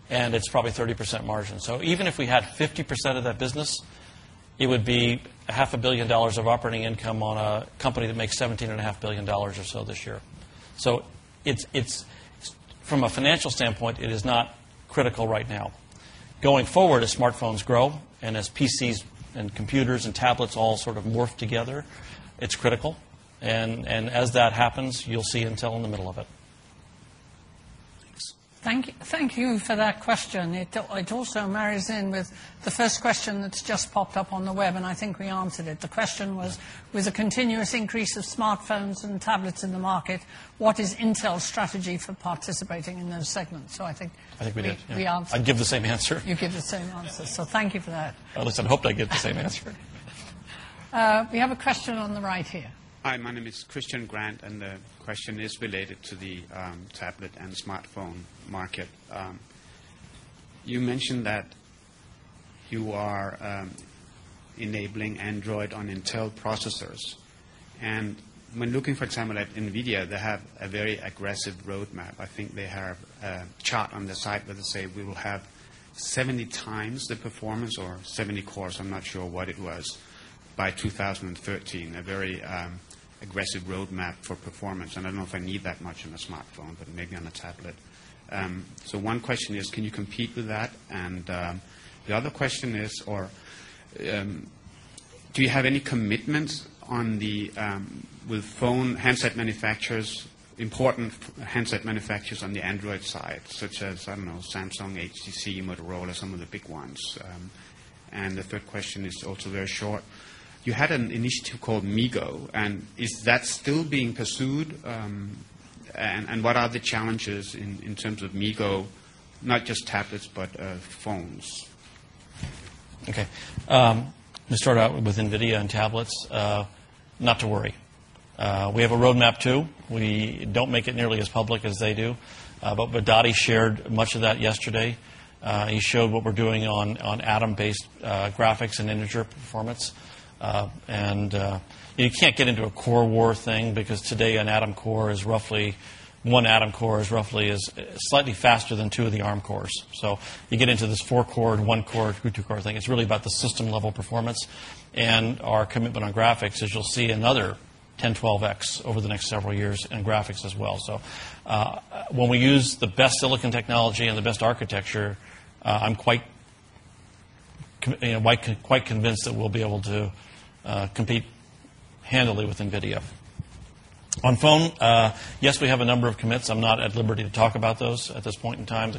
[SPEAKER 4] and it's probably 30% margin. Even if we had 50% of that business, it would be $500 million of operating income on a company that makes $17.5 billion or so this year. From a financial standpoint, it is not critical right now. Going forward, as smartphones grow and as PCs and computers and tablets all sort of morph together, it's critical. As that happens, you'll see Intel in the middle of it.
[SPEAKER 2] Thank you for that question. It also marries in with the first question that just popped up on the web, and I think we answered it. The question was, with a continuous increase of smartphones and tablets in the market, what is Intel's strategy for participating in those segments? I think.
[SPEAKER 4] I think we did.
[SPEAKER 2] We answered.
[SPEAKER 4] I'd give the same answer.
[SPEAKER 2] You give the same answer. Thank you for that.
[SPEAKER 4] At least I'd hope they give the same answer.
[SPEAKER 2] We have a question on the right here.
[SPEAKER 5] Hi, my name is [Christian Grant], and the question is related to the tablet and smartphone market. You mentioned that you are enabling Android on Intel processors. When looking, for example, at NVIDIA, they have a very aggressive roadmap. I think they have a chart on the site where they say we will have 70x the performance or 70 cores. I'm not sure what it was by 2013, a very aggressive roadmap for performance. I don't know if I need that much on a smartphone, but maybe on a tablet. One question is, can you compete with that? The other question is, do you have any commitments with phone handset manufacturers, important handset manufacturers on the Android side, such as, I don't know, Samsung, HTC, Motorola, some of the big ones? The third question is also very short. You had an initiative called MeeGo. Is that still being pursued, and what are the challenges in terms of MeeGo, not just tablets, but phones?
[SPEAKER 4] OK. I'm going to start out with NVIDIA and tablets. Not to worry. We have a roadmap too. We don't make it nearly as public as they do, but [Vadati] shared much of that yesterday. He showed what we're doing on Atom-based graphics and integer performance. You can't get into a core war thing because today an Atom core is roughly slightly faster than two of the ARM cores. You get into this four-core and one-core or two-core thing. It's really about the system-level performance. Our commitment on graphics, as you'll see, is another 10x, 12x over the next several years in graphics as well. When we use the best silicon technology and the best architecture, I'm quite convinced that we'll be able to compete handily with NVIDIA. On phone, yes, we have a number of commits. I'm not at liberty to talk about those at this point in time.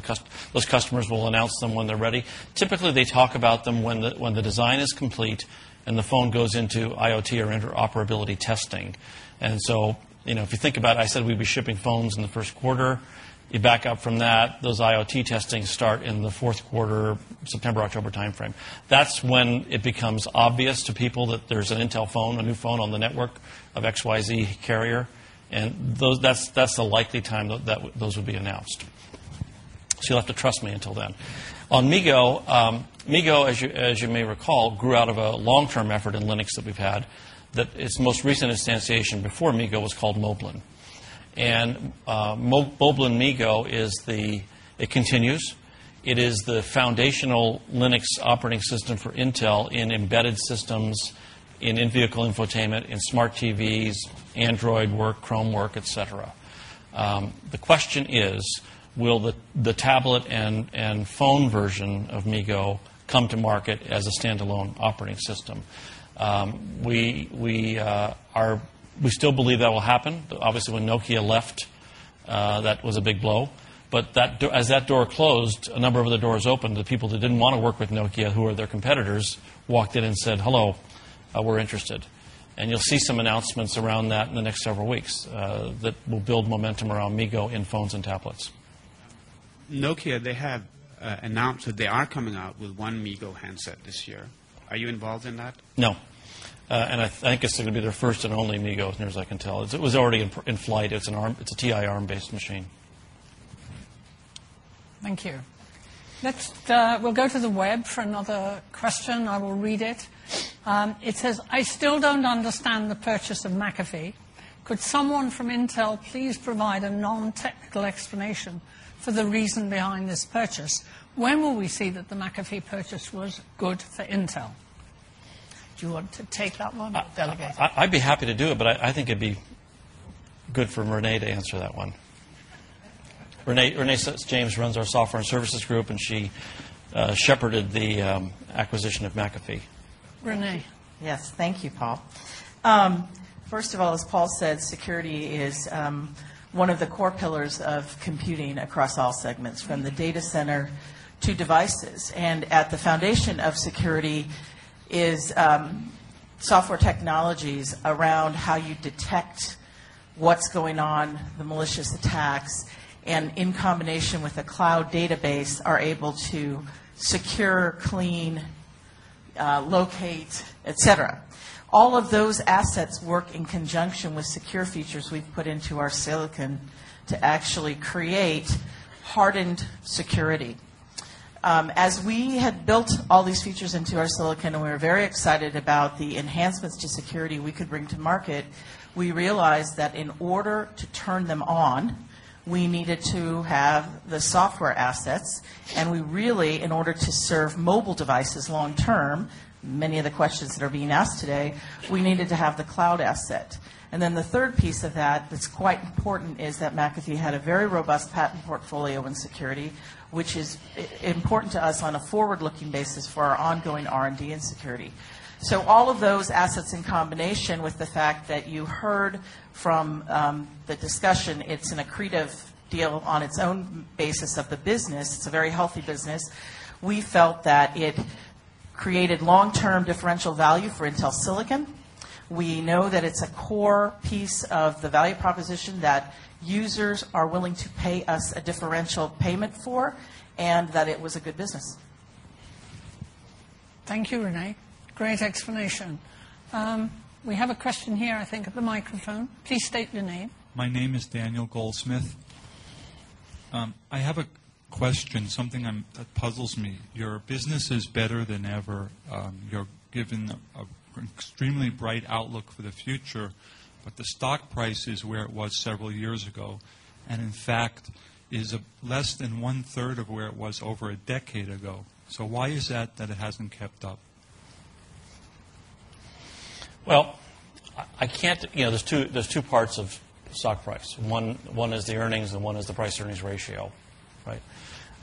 [SPEAKER 4] Those customers will announce them when they're ready. Typically, they talk about them when the design is complete and the phone goes into IoT or interoperability testing. If you think about it, I said we'd be shipping phones in the first quarter. You back up from that. Those IoT testings start in the fourth quarter, September-October timeframe. That's when it becomes obvious to people that there's an Intel phone, a new phone on the network of XYZ carrier. That's the likely time that those would be announced. You'll have to trust me until then. On MeeGo, MeeGo, as you may recall, grew out of a long-term effort in Linux that we've had. Its most recent instantiation before MeeGo was called Moblin. Moblin, MeeGo is the, it continues. It is the foundational Linux operating system for Intel in embedded systems, in in-vehicle infotainment, in smart TVs, Android work, Chrome work, et cetera. The question is, will the tablet and phone version of MeeGo come to market as a standalone operating system? We still believe that will happen. Obviously, when Nokia left, that was a big blow. As that door closed, a number of other doors opened. The people that didn't want to work with Nokia, who were their competitors, walked in and said, hello, we're interested. You'll see some announcements around that in the next several weeks that will build momentum around MeeGo in phones and tablets.
[SPEAKER 5] Nokia, they have announced that they are coming out with one MeeGo handset this year. Are you involved in that?
[SPEAKER 4] No. I think it's going to be their first and only MeeGo, as I can tell. It was already in flight. It's a TI ARM-based machine.
[SPEAKER 2] Thank you. Next, we'll go to the web for another question. I will read it. It says, I still don't understand the purchase of McAfee. Could someone from Intel please provide a non-technical explanation for the reason behind this purchase? When will we see that the McAfee purchase was good for Intel? Do you want to take that one?
[SPEAKER 4] I'd be happy to do it, but I think it'd be good for Renee to answer that one. Renee James runs our Software and Services Group, and she shepherded the acquisition of McAfee.
[SPEAKER 2] Renee.
[SPEAKER 6] Yes, thank you, Paul. First of all, as Paul said, security is one of the core pillars of computing across all segments, from the data center to devices. At the foundation of security is software technologies around how you detect what's going on, the malicious attacks, and in combination with a cloud database, are able to secure, clean, locate, etc. All of those assets work in conjunction with secure features we've put into our silicon to actually create hardened security. As we had built all these features into our silicon and we were very excited about the enhancements to security we could bring to market, we realized that in order to turn them on, we needed to have the software assets. In order to serve mobile devices long term, many of the questions that are being asked today, we needed to have the cloud asset. The third piece of that that's quite important is that McAfee had a very robust patent portfolio in security, which is important to us on a forward-looking basis for our ongoing R&D in security. All of those assets in combination with the fact that you heard from the discussion, it's an accretive deal on its own basis of the business. It's a very healthy business. We felt that it created long-term differential value for Intel silicon. We know that it's a core piece of the value proposition that users are willing to pay us a differential payment for and that it was a good business.
[SPEAKER 2] Thank you, Renee. Great explanation. We have a question here, I think, at the microphone. Please state your name.
[SPEAKER 5] My name is [Daniel Goldsmith]. I have a question, something that puzzles me. Your business is better than ever. You're given an extremely bright outlook for the future, but the stock price is where it was several years ago, and in fact, is less than one-third of where it was over a decade ago. Why is that it hasn't kept up?
[SPEAKER 4] There are two parts of stock price. One is the earnings, and one is the price-earnings ratio.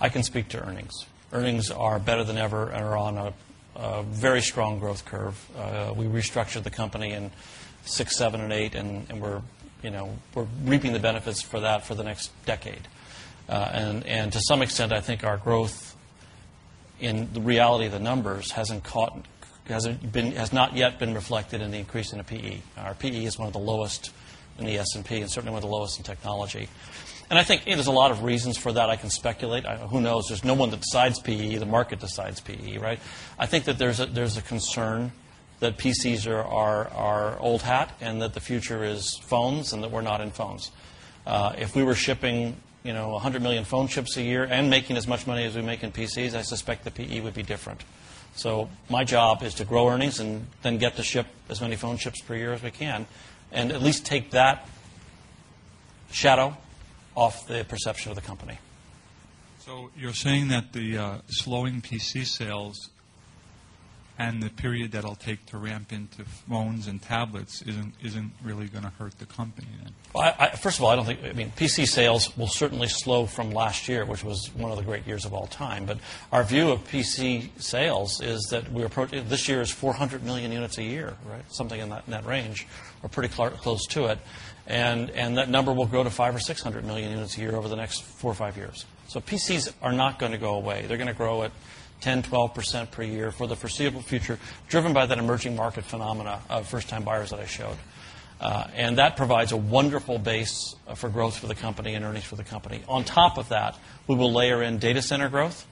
[SPEAKER 4] I can speak to earnings. Earnings are better than ever and are on a very strong growth curve. We restructured the company in 2006, 2007, and 2008, and we're reaping the benefits for that for the next decade. To some extent, I think our growth in the reality of the numbers hasn't caught, has not yet been reflected in the increase in the PE. Our PE is one of the lowest in the S&P and certainly one of the lowest in technology. I think there's a lot of reasons for that. I can speculate. Who knows? There's no one that decides PE. The market decides PE, right? I think that there's a concern that PCs are our old hat and that the future is phones and that we're not in phones. If we were shipping 100 million phone chips a year and making as much money as we make in PCs, I suspect the PE would be different. My job is to grow earnings and then get to ship as many phone chips per year as we can and at least take that shadow off the perception of the company.
[SPEAKER 5] You're saying that the slowing PC sales and the period that it'll take to ramp into phones and tablets isn't really going to hurt the company then?
[SPEAKER 4] First of all, I don't think PC sales will certainly slow from last year, which was one of the great years of all time. Our view of PC sales is that this year is 400 million units a year, something in that range, or pretty close to it. That number will grow to 500 or 600 million units a year over the next four or five years. PCs are not going to go away. They're going to grow at 10% or 12% per year for the foreseeable future, driven by that emerging market phenomena of first-time buyers that I showed. That provides a wonderful base for growth for the company and earnings for the company. On top of that, we will layer in data center growth.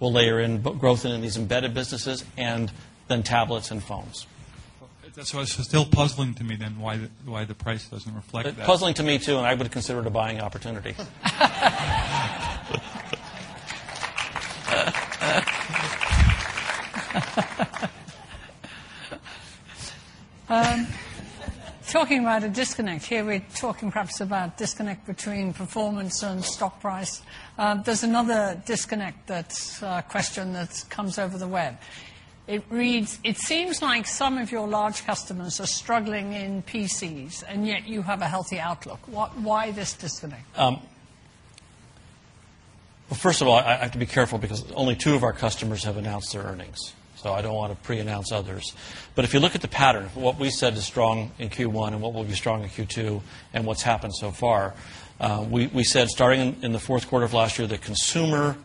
[SPEAKER 4] We'll layer in growth in these embedded businesses and then tablets and phones.
[SPEAKER 5] That's why it's still puzzling to me why the price doesn't reflect that.
[SPEAKER 4] It's puzzling to me too, and I would consider it a buying opportunity.
[SPEAKER 2] Talking about a disconnect here, we're talking perhaps about a disconnect between performance and stock price. There's another disconnect question that comes over the web. It reads, it seems like some of your large customers are struggling in PCs, and yet you have a healthy outlook. Why this disconnect?
[SPEAKER 4] First of all, I have to be careful because only two of our customers have announced their earnings. I don't want to pre-announce others. If you look at the pattern, what we said is strong in Q1 and what will be strong in Q2 and what's happened so far, we said starting in the fourth quarter of last year, the consumer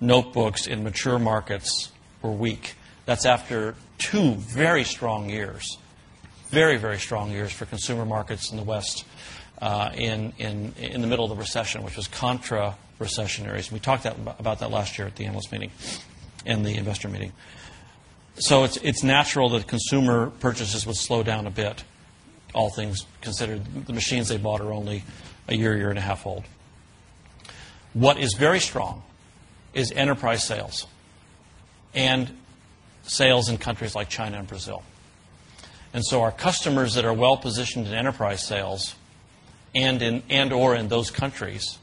[SPEAKER 4] notebooks in mature markets were weak. That's after two very strong years, very, very strong years for consumer markets in the West in the middle of the recession, which was contra for recessionaries. We talked about that last year at the analyst meeting and the investor meeting. It is natural that consumer purchases will slow down a bit, all things considered. The machines they bought are only a year, year and a half old. What is very strong is enterprise sales and sales in countries like China and Brazil. Our customers that are well positioned in enterprise sales and/or in those countries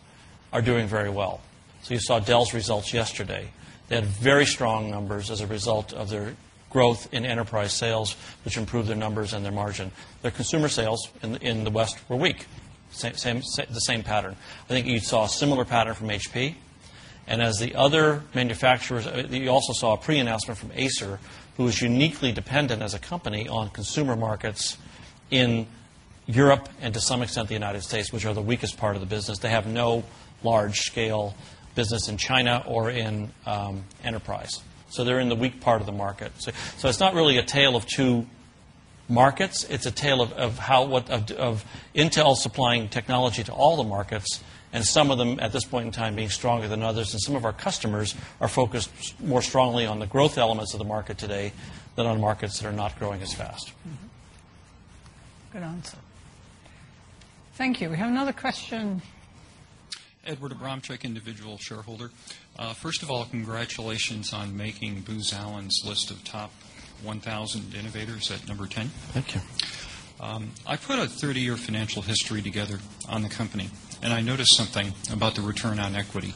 [SPEAKER 4] are doing very well. You saw Dell's results yesterday. They had very strong numbers as a result of their growth in enterprise sales, which improved their numbers and their margin. Their consumer sales in the West were weak. The same pattern. I think you saw a similar pattern from HP. As the other manufacturers, you also saw a pre-announcement from Acer, who is uniquely dependent as a company on consumer markets in Europe and to some extent the United States, which are the weakest part of the business. They have no large-scale business in China or in enterprise. They are in the weak part of the market. It is not really a tale of two markets. It is a tale of Intel supplying technology to all the markets and some of them at this point in time being stronger than others. Some of our customers are focused more strongly on the growth elements of the market today than on markets that are not growing as fast.
[SPEAKER 2] Good answer. Thank you. We have another question.
[SPEAKER 7] First of all, congratulations on making Booz Allen's list of top 1,000 innovators at number 10.
[SPEAKER 4] Thank you.
[SPEAKER 7] I put a 30-year financial history together on the company, and I noticed something about the return on equity.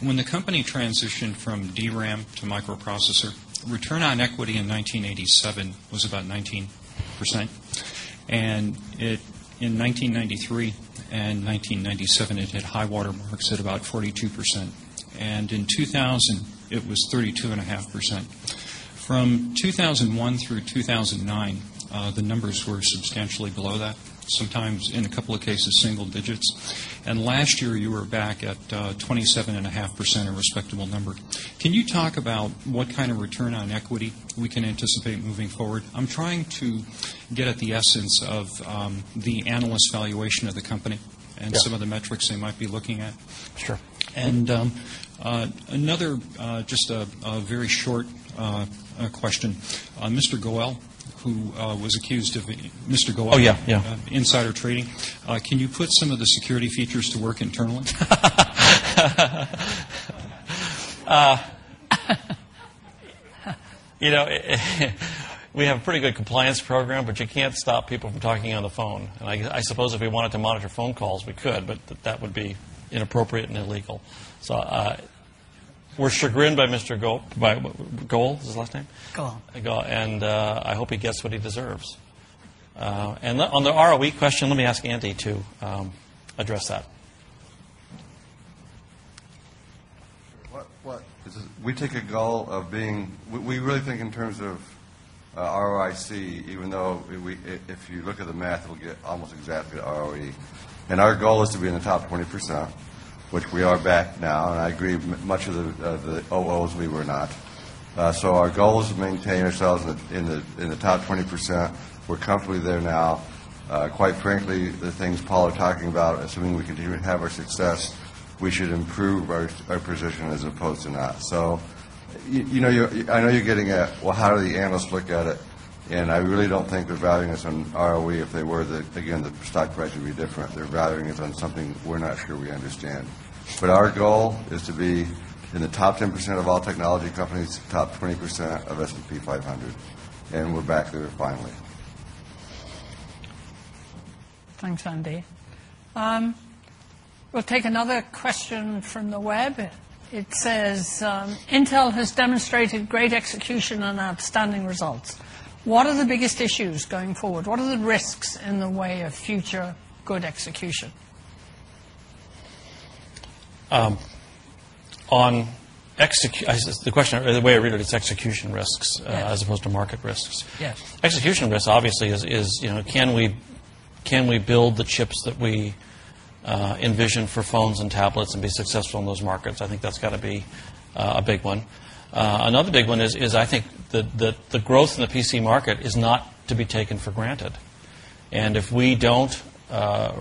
[SPEAKER 7] When the company transitioned from DRAM to microprocessor, return on equity in 1987 was about 19%. In 1993 and 1997, it had high watermarks at about 42%. In 2000, it was 32.5%. From 2001 through 2009, the numbers were substantially below that, sometimes in a couple of cases, single digits. Last year, you were back at 27.5%, a respectable number. Can you talk about what kind of return on equity we can anticipate moving forward? I'm trying to get at the essence of the analyst valuation of the company and some of the metrics they might be looking at.
[SPEAKER 4] Sure.
[SPEAKER 7] Another just a very short question. Mr. Goel, who was accused of Mr. Goel.
[SPEAKER 4] Yeah, yeah.
[SPEAKER 7] Insider trading, can you put some of the security features to work internally?
[SPEAKER 4] We have a pretty good compliance program, but you can't stop people from talking on the phone. I suppose if we wanted to monitor phone calls, we could, but that would be inappropriate and illegal. We're chagrined by Mr. Goel. Is that his last name?
[SPEAKER 7] Goel.
[SPEAKER 4] Goel. I hope he gets what he deserves. On the ROE question, let me ask Andy to address that.
[SPEAKER 7] What?
[SPEAKER 8] Because we take a goal of being, we really think in terms of ROIC, even though if you look at the math, it'll get almost exactly ROE. Our goal is to be in the top 20%, which we are back now. I agree much of the 2000s we were not. Our goal is to maintain ourselves in the top 20%. We're comfortably there now. Quite frankly, the things Paul is talking about, assuming we continue to have our success, we should improve our position as opposed to not. I know you're getting at, how do the analysts look at it? I really don't think they're valuing us on ROE. If they were, they're thinking the stock price would be different. They're valuing us on something we're not sure we understand. Our goal is to be in the top 10% of all technology companies, top 20% of S&P 500. We're back there finally.
[SPEAKER 2] Thanks, Andy. We'll take another question from the web. It says, Intel has demonstrated great execution and outstanding results. What are the biggest issues going forward? What are the risks in the way of future good execution?
[SPEAKER 4] The question of the way of reading this execution risks as opposed to market risks.
[SPEAKER 2] Yeah.
[SPEAKER 4] Execution risk, obviously, is, you know, can we build the chips that we envision for phones and tablets and be successful in those markets? I think that's got to be a big one. Another big one is that the growth in the PC market is not to be taken for granted. If we don't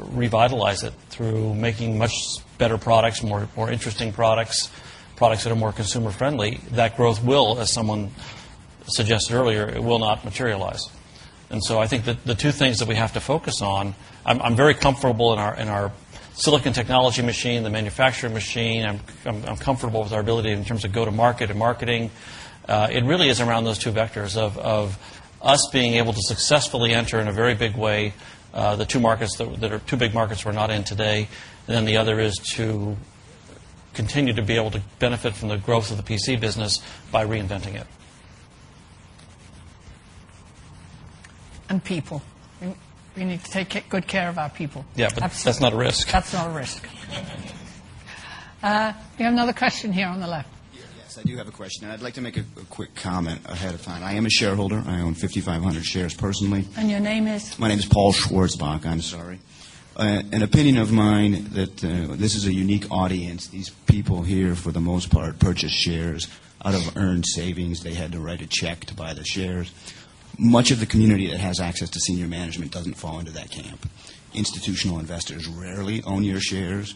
[SPEAKER 4] revitalize it through making much better products, more interesting products, products that are more consumer-friendly, that growth will, as someone suggested earlier, it will not materialize. I think that the two things that we have to focus on, I'm very comfortable in our silicon process technology machine, the manufacturing machine. I'm comfortable with our ability in terms of go-to-market and marketing. It really is around those two vectors of us being able to successfully enter, in a very big way, the two markets that are two big markets we're not in today. The other is to continue to be able to benefit from the growth of the PC business by reinventing it.
[SPEAKER 2] We need to take good care of our people.
[SPEAKER 4] Yeah, that's not a risk.
[SPEAKER 2] That's not a risk. We have another question here on the left.
[SPEAKER 5] Yes, I do have a question. I'd like to make a quick comment ahead of time. I am a shareholder. I own 5,500 shares personally.
[SPEAKER 2] Your name is?
[SPEAKER 5] My name is [Paul Schwartzbach]. I'm sorry. An opinion of mine, this is a unique audience. These people here, for the most part, purchase shares out of earned savings. They had to write a check to buy the shares. Much of the community that has access to senior management doesn't fall into that camp. Institutional investors rarely own your shares.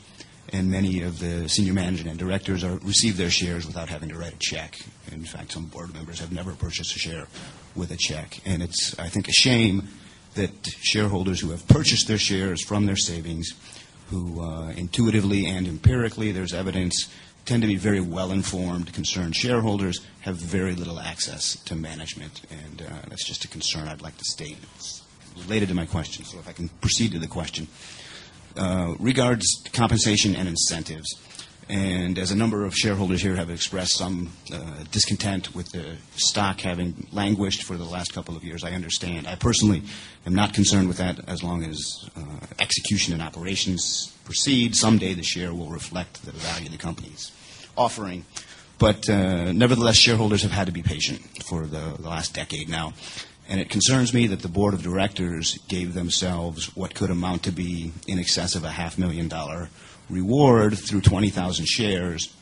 [SPEAKER 5] Many of the senior management and directors receive their shares without having to write a check. In fact, some board members have never purchased a share with a check. I think it's a shame that shareholders who have purchased their shares from their savings, who intuitively and empirically, there's evidence, tend to be very well-informed, concerned shareholders have very little access to management. That's just a concern I'd like to state related to my question. If I can proceed to the question. Regards compensation and incentives. As a number of shareholders here have expressed some discontent with the stock having languished for the last couple of years, I understand. I personally am not concerned with that as long as execution and operations proceed. Someday the share will reflect the value the company is offering. Nevertheless, shareholders have had to be patient for the last decade now. It concerns me that the board of directors gave themselves what could amount to be in excess of a $500,000 reward through 20,000 shares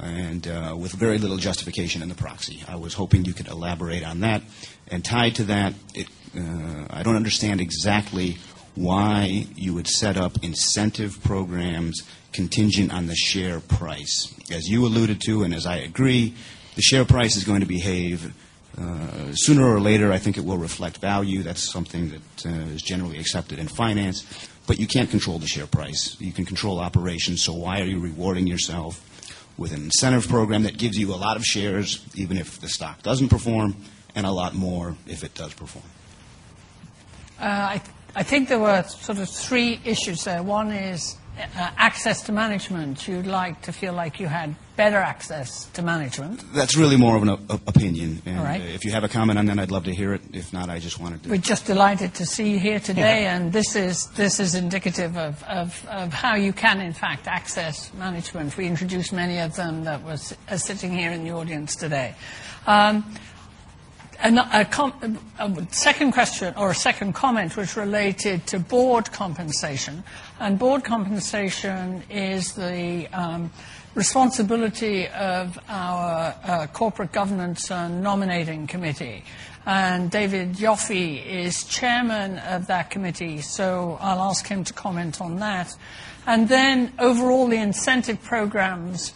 [SPEAKER 5] and with very little justification in the proxy. I was hoping you could elaborate on that. Tied to that, I don't understand exactly why you would set up incentive programs contingent on the share price. As you alluded to, and as I agree, the share price is going to behave. Sooner or later, I think it will reflect value. That's something that is generally accepted in finance. You can't control the share price. You can control operations. Why are you rewarding yourself with an incentive program that gives you a lot of shares, even if the stock doesn't perform, and a lot more if it does perform?
[SPEAKER 2] I think there were sort of three issues. One is access to management. You'd like to feel like you had better access to management.
[SPEAKER 5] That's really more of an opinion.
[SPEAKER 2] All right.
[SPEAKER 5] If you have a comment on that, I'd love to hear it. If not, I just wanted to.
[SPEAKER 2] We're just delighted to see you here today. This is indicative of how you can, in fact, access management. We introduced many of them that were sitting here in the audience today. A second question or a second comment was related to board compensation. Board compensation is the responsibility of our Corporate Governance and Nominating Committee, and David Yoffie is Chairman of that committee. I'll ask him to comment on that. Overall, the incentive programs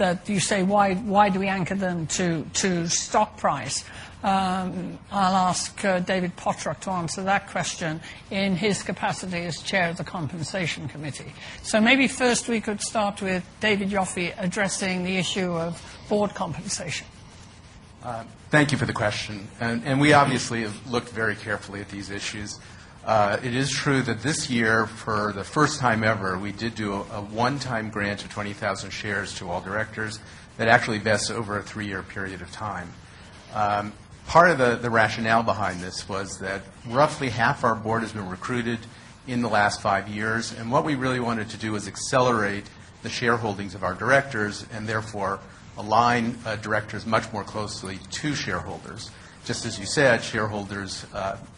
[SPEAKER 2] that you say, why do we anchor them to stock price? I'll ask David Pottruck to answer that question in his capacity as Chair of the Compensation Committee. Maybe first we could start with David Yoffie addressing the issue of board compensation.
[SPEAKER 9] Thank you for the question. We obviously have looked very carefully at these issues. It is true that this year, for the first time ever, we did do a one-time grant of 20,000 shares to all directors that actually vests over a three-year period of time. Part of the rationale behind this was that roughly half our board has been recruited in the last five years. What we really wanted to do was accelerate the shareholdings of our directors and therefore align directors much more closely to shareholders. Just as you said, shareholders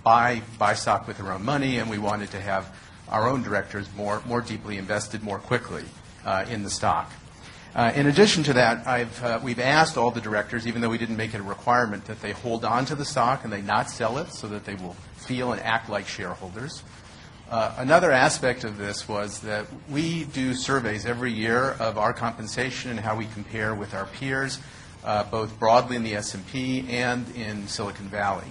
[SPEAKER 9] buy stock with their own money. We wanted to have our own directors more deeply invested more quickly in the stock. In addition to that, we've asked all the directors, even though we didn't make it a requirement, that they hold on to the stock and they not sell it so that they will feel and act like shareholders. Another aspect of this was that we do surveys every year of our compensation and how we compare with our peers, both broadly in the S&P and in Silicon Valley.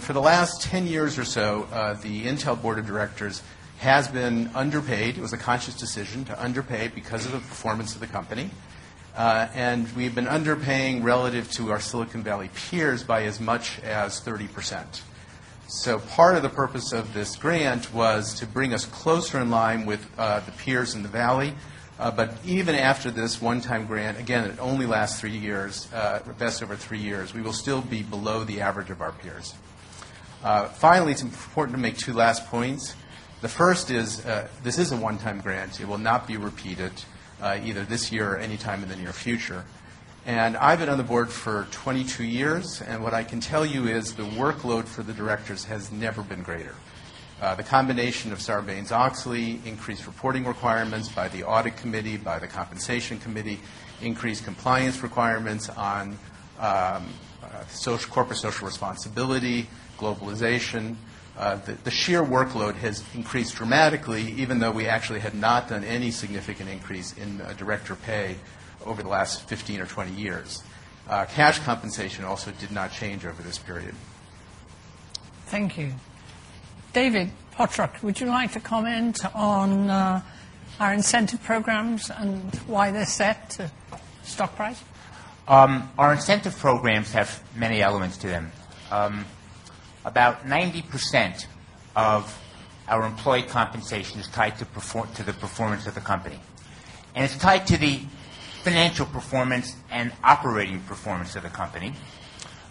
[SPEAKER 9] For the last 10 years or so, the Intel board of directors has been underpaid. It was a conscious decision to underpay because of the performance of the company. We've been underpaying relative to our Silicon Valley peers by as much as 30%. Part of the purpose of this grant was to bring us closer in line with the peers in the Valley. Even after this one-time grant, again, it only lasts three years, vests over three years, we will still be below the average of our peers. Finally, it's important to make two last points. The first is this is a one-time grant. It will not be repeated either this year or any time in the near future. I've been on the board for 22 years. What I can tell you is the workload for the directors has never been greater. The combination of Sarbanes-Oxley, increased reporting requirements by the Audit Committee, by the Compensation Committee, increased compliance requirements on corporate social responsibility, globalization, the sheer workload has increased dramatically, even though we actually had not done any significant increase in director pay over the last 15 years or 20 years. Cash compensation also did not change over this period.
[SPEAKER 2] Thank you. David Pottruck, would you like to comment on our incentive programs and why they're set to stock price?
[SPEAKER 10] Our incentive programs have many elements to them. About 90% of our employee compensation is tied to the performance of the company, and it's tied to the financial performance and operating performance of the company.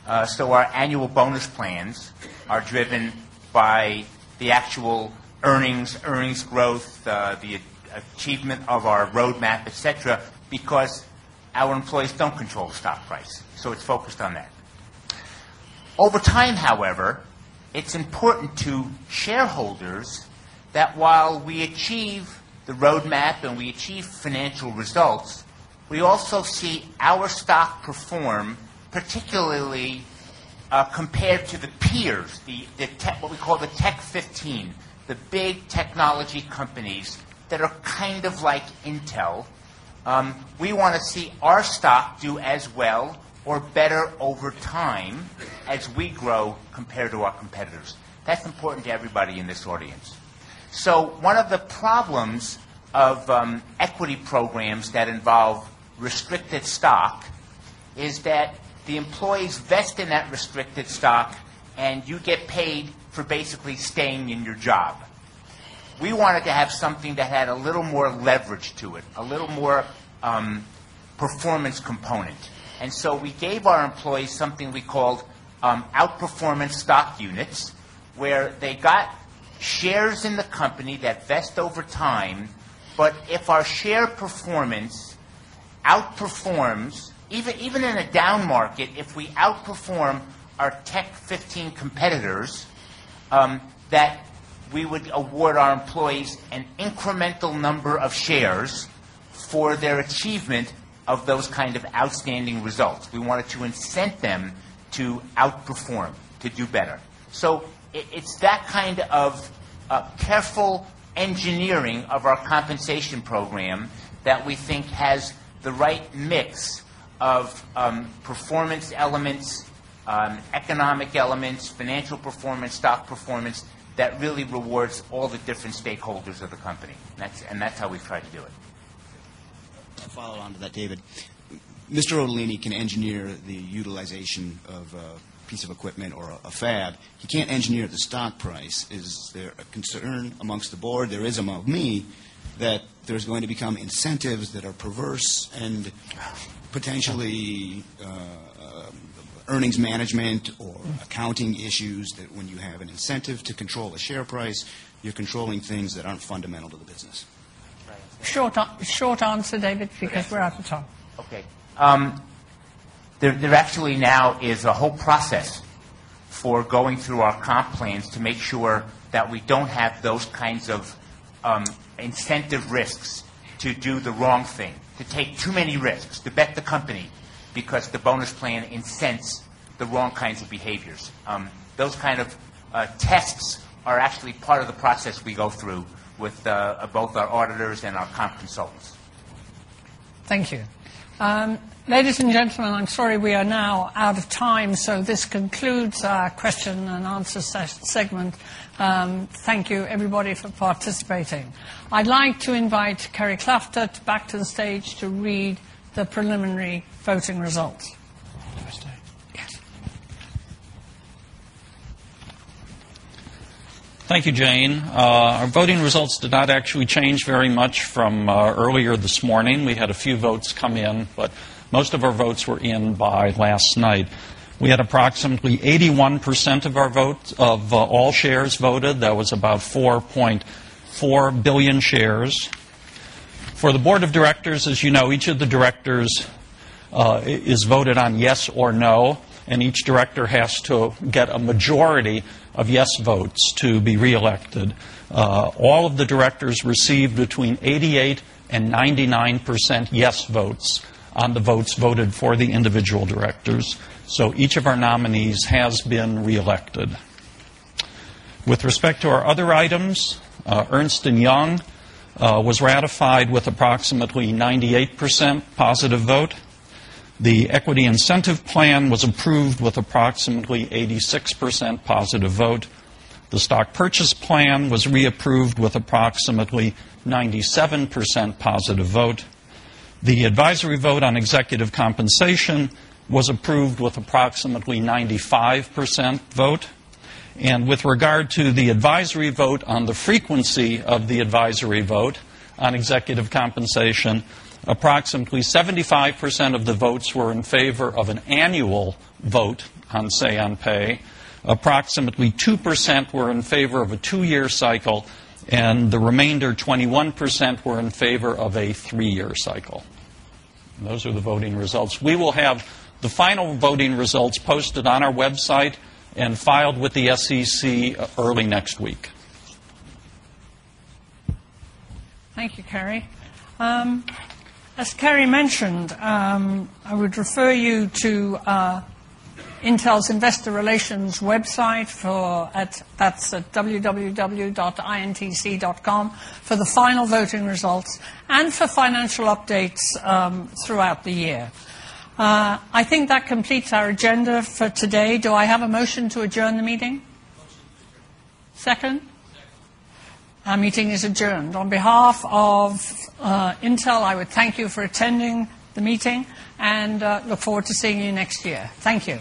[SPEAKER 10] Our annual bonus plans are driven by the actual earnings, earnings growth, the achievement of our roadmap, et cetera, because our employees don't control the stock price. It's focused on that. Over time, however, it's important to shareholders that while we achieve the roadmap and we achieve financial results, we also see our stock perform, particularly compared to the peers, what we call the Tech 15, the big technology companies that are kind of like Intel. We want to see our stock do as well or better over time as we grow compared to our competitors. That's important to everybody in this audience. One of the problems of equity programs that involve restricted stock is that the employees vest in that restricted stock, and you get paid for basically staying in your job. We wanted to have something that had a little more leverage to it, a little more performance component. We gave our employees something we called outperformance stock units, where they got shares in the company that vest over time. If our share performance outperforms, even in a down market, if we outperform our Tech 15 competitors, we would award our employees an incremental number of shares for their achievement of those kind of outstanding results. We wanted to incent them to outperform, to do better. It's that kind of careful engineering of our compensation program that we think has the right mix of performance elements, economic elements, financial performance, stock performance that really rewards all the different stakeholders of the company. That's how we try to do it.
[SPEAKER 5] A follow-on to that, David. Mr. Otellini can engineer the utilization of a piece of equipment or a fab. He can't engineer the stock price. Is there a concern amongst the board? There is among me that there's going to become incentives that are perverse and potentially earnings management or accounting issues that when you have an incentive to control a share price, you're controlling things that aren't fundamental to the business.
[SPEAKER 2] Right. Short answer, David, because we're at the top.
[SPEAKER 10] OK. There actually now is a whole process for going through our comp plans to make sure that we don't have those kinds of incentive risks to do the wrong thing, to take too many risks, to bet the company because the bonus plan incents the wrong kinds of behaviors. Those kinds of tests are actually part of the process we go through with both our auditors and our comp consultants.
[SPEAKER 2] Thank you. Ladies and gentlemen, I'm sorry we are now out of time. This concludes our question and answer segment. Thank you, everybody, for participating. I'd like to invite Cary Klafter back to the stage to read the preliminary voting results.
[SPEAKER 3] Thank you, Jane. Our voting results did not actually change very much from earlier this morning. We had a few votes come in, but most of our votes were in by last night. We had approximately 81% of our votes of all shares voted. That was about 4.4 billion shares. For the board of directors, as you know, each of the directors is voted on yes or no, and each director has to get a majority of yes votes to be reelected. All of the directors received between 88% and 99% yes votes on the votes voted for the individual directors. Each of our nominees has been reelected. With respect to our other items, Ernst & Young was ratified with approximately 98% positive vote. The equity incentive plan was approved with approximately 86% positive vote. The stock purchase plan was reapproved with approximately 97% positive vote. The advisory vote on executive compensation was approved with approximately 95% vote. With regard to the advisory vote on the frequency of the advisory vote on executive compensation, approximately 75% of the votes were in favor of an annual vote on, say, on pay. Approximately 2% were in favor of a two-year cycle, and the remainder 21% were in favor of a three-year cycle. Those are the voting results. We will have the final voting results posted on our website and filed with the SEC early next week.
[SPEAKER 2] Thank you, Cary. As Cary mentioned, I would refer you to Intel's investor relations website. That's at www.intc.com for the final voting results and for financial updates throughout the year. I think that completes our agenda for today. Do I have a motion to adjourn the meeting? Second? Our meeting is adjourned. On behalf of Intel, I would thank you for attending the meeting and look forward to seeing you next year. Thank you.